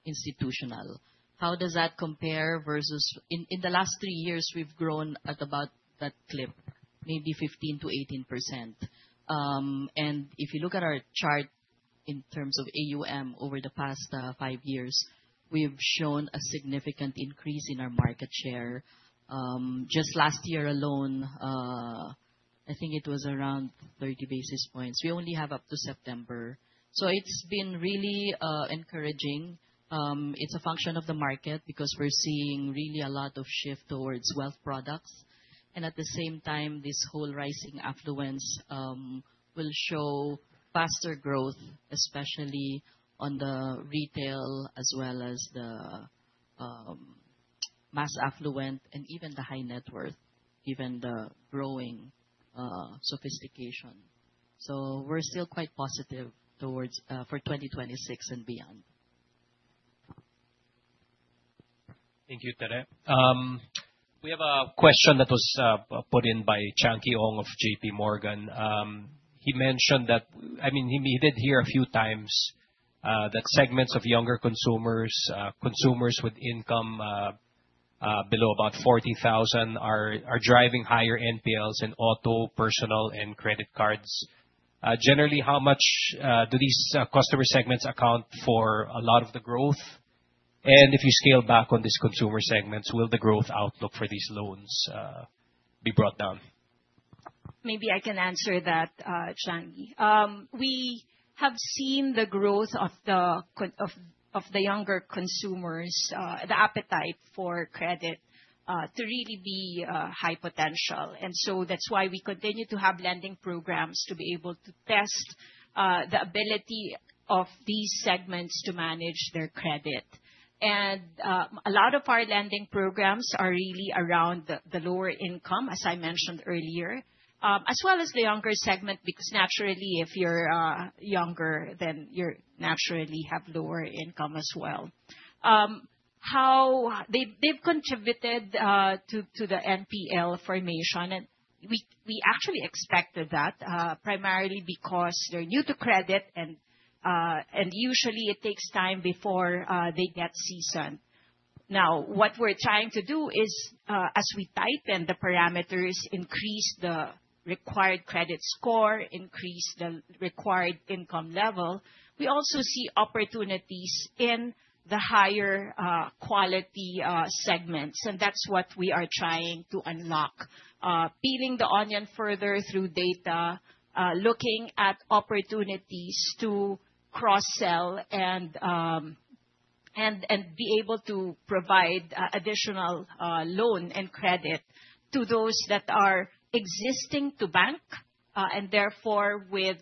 institutional. How does that compare versus. In the last three years, we've grown at about that clip, maybe 15%-18%. And if you look at our chart in terms of AUM over the past five years, we have shown a significant increase in our market share. Just last year alone, I think it was around 30 basis points. We only have up to September. It's been really encouraging. It's a function of the market because we're seeing really a lot of shift towards wealth products. At the same time, this whole rising affluence will show faster growth, especially on the retail as well as the mass affluent and even the high net worth, given the growing sophistication. We're still quite positive towards for 2026 and beyond. Thank you, Tere. We have a question that was put in by Chanki Hong of JP Morgan. He mentioned that, I mean, he did hear a few times that segments of younger consumers with income below about 40,000 are driving higher NPLs in auto, personal, and credit cards. Generally, how much do these customer segments account for a lot of the growth? If you scale back on these consumer segments, will the growth outlook for these loans be brought down? Maybe I can answer that, Changki. We have seen the growth of the younger consumers, the appetite for credit to really be high potential. That's why we continue to have lending programs to be able to test the ability of these segments to manage their credit. A lot of our lending programs are really around the lower income, as I mentioned earlier, as well as the younger segment, because naturally, if you're younger then you naturally have lower income as well. They've contributed to the NPL formation. We actually expected that, primarily because they're new to credit and usually it takes time before they get seasoned. Now, what we're trying to do is, as we tighten the parameters, increase the required credit score, increase the required income level, we also see opportunities in the higher, quality, segments. That's what we are trying to unlock. Peeling the onion further through data, looking at opportunities to cross-sell and be able to provide additional, loan and credit to those that are existing-to-bank, and therefore with,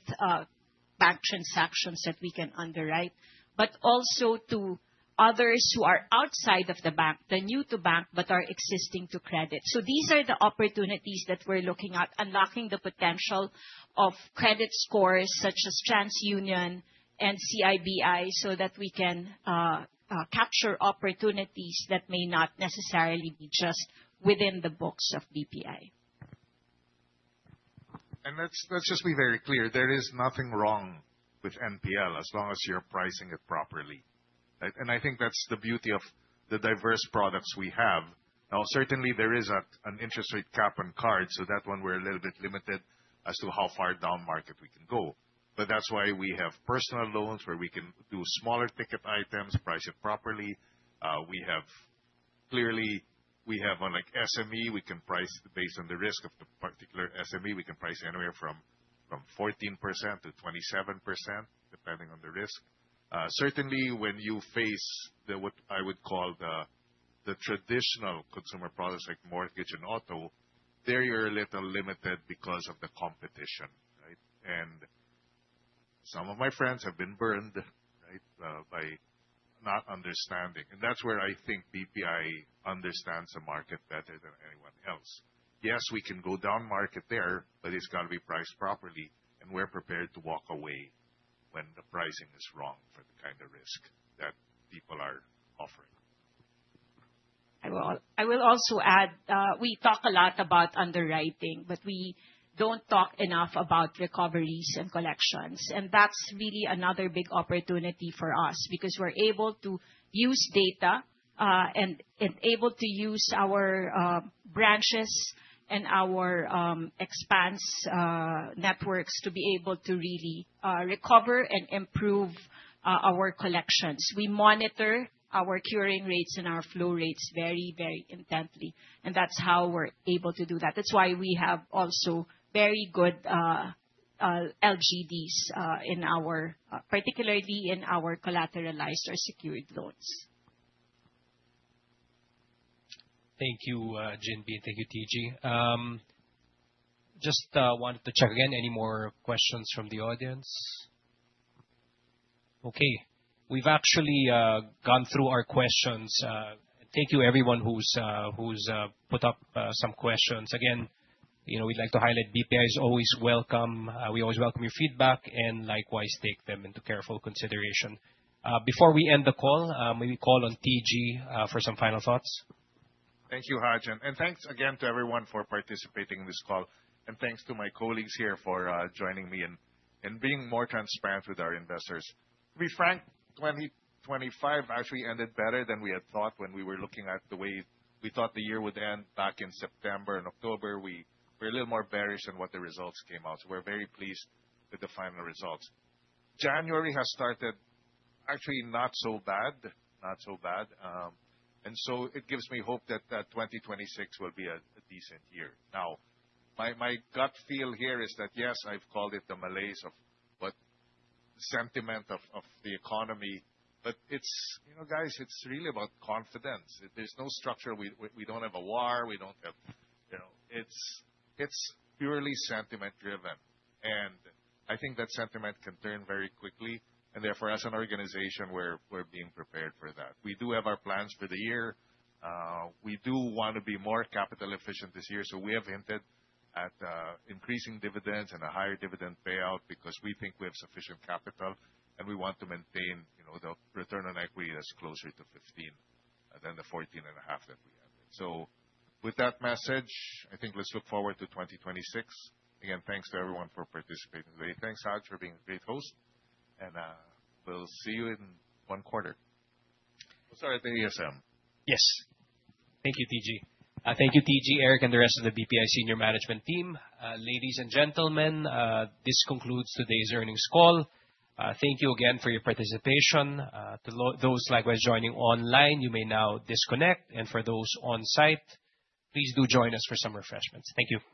bank transactions that we can underwrite, but also to others who are outside of the bank. They're new-to-bank but are existing-to-credit. These are the opportunities that we're looking at, unlocking the potential of credit scores such as TransUnion and CIBI, so that we can capture opportunities that may not necessarily be just within the books of BPI. Let's just be very clear. There is nothing wrong with NPL as long as you're pricing it properly. Right? I think that's the beauty of the diverse products we have. Now, certainly there is an interest rate cap on cards, so that one we're a little bit limited as to how far downmarket we can go. That's why we have personal loans where we can do smaller ticket items, price it properly. Clearly, we have, like, SME, we can price based on the risk of the particular SME. We can price anywhere from 14% to 27% depending on the risk. Certainly when you face what I would call the traditional consumer products like mortgage and auto, there you're a little limited because of the competition, right? Some of my friends have been burned, right, by not understanding. That's where I think BPI understands the market better than anyone else. Yes, we can go downmarket there, but it's gotta be priced properly, and we're prepared to walk away when the pricing is wrong for the kind of risk that people are offering. I will also add, we talk a lot about underwriting, but we don't talk enough about recoveries and collections. That's really another big opportunity for us because we're able to use data, and able to use our branches and our extensive networks to be able to really recover and improve our collections. We monitor our curing rates and our flow rates very, very intently, and that's how we're able to do that. That's why we have also very good LGDs, particularly in our collateralized or secured loans. Thank you, Jane Lee. Thank you, TG. Just wanted to check again, any more questions from the audience? Okay. We've actually gone through our questions. Thank you everyone who's put up some questions. again we'd like to highlight BPI is always welcome. We always welcome your feedback and likewise take them into careful consideration. Before we end the call, maybe call on TG for some final thoughts. Thank you, Haj, and thanks again to everyone for participating in this call. Thanks to my colleagues here for joining me and being more transparent with our investors. To be frank, 2025 actually ended better than we had thought when we were looking at the way we thought the year would end back in September and October. We're a little more bearish on what the results came out. We're very pleased with the final results. January has started actually not so bad. It gives me hope that 2026 will be a decent year. Now, my gut feel here is that yes, I've called it the malaise of what sentiment of the economy, butguys, it's really about confidence. There's no structure. We don't have a war. We don't have. It's purely sentiment driven. I think that sentiment can turn very quickly, and therefore, as an organization, we're being prepared for that. We do have our plans for the year. We do want to be more capital efficient this year, so we have hinted at increasing dividends and a higher dividend payout because we think we have sufficient capital, and we want to maintain the return on equity that's closer to 15 than the 14.5 that we have. With that message, I think let's look forward to 2026. Again, thanks to everyone for participating today. Thanks, Haj, for being a great host. We'll see you in one quarter. Sorry. The ESM. Yes. Thank you, TG. Thank you, TG, Eric, and the rest of the BPI senior management team. Ladies and gentlemen, this concludes today's earnings call. Thank you again for your participation. To those likewise joining online, you may now disconnect. For those on site, please do join us for some refreshments. Thank you.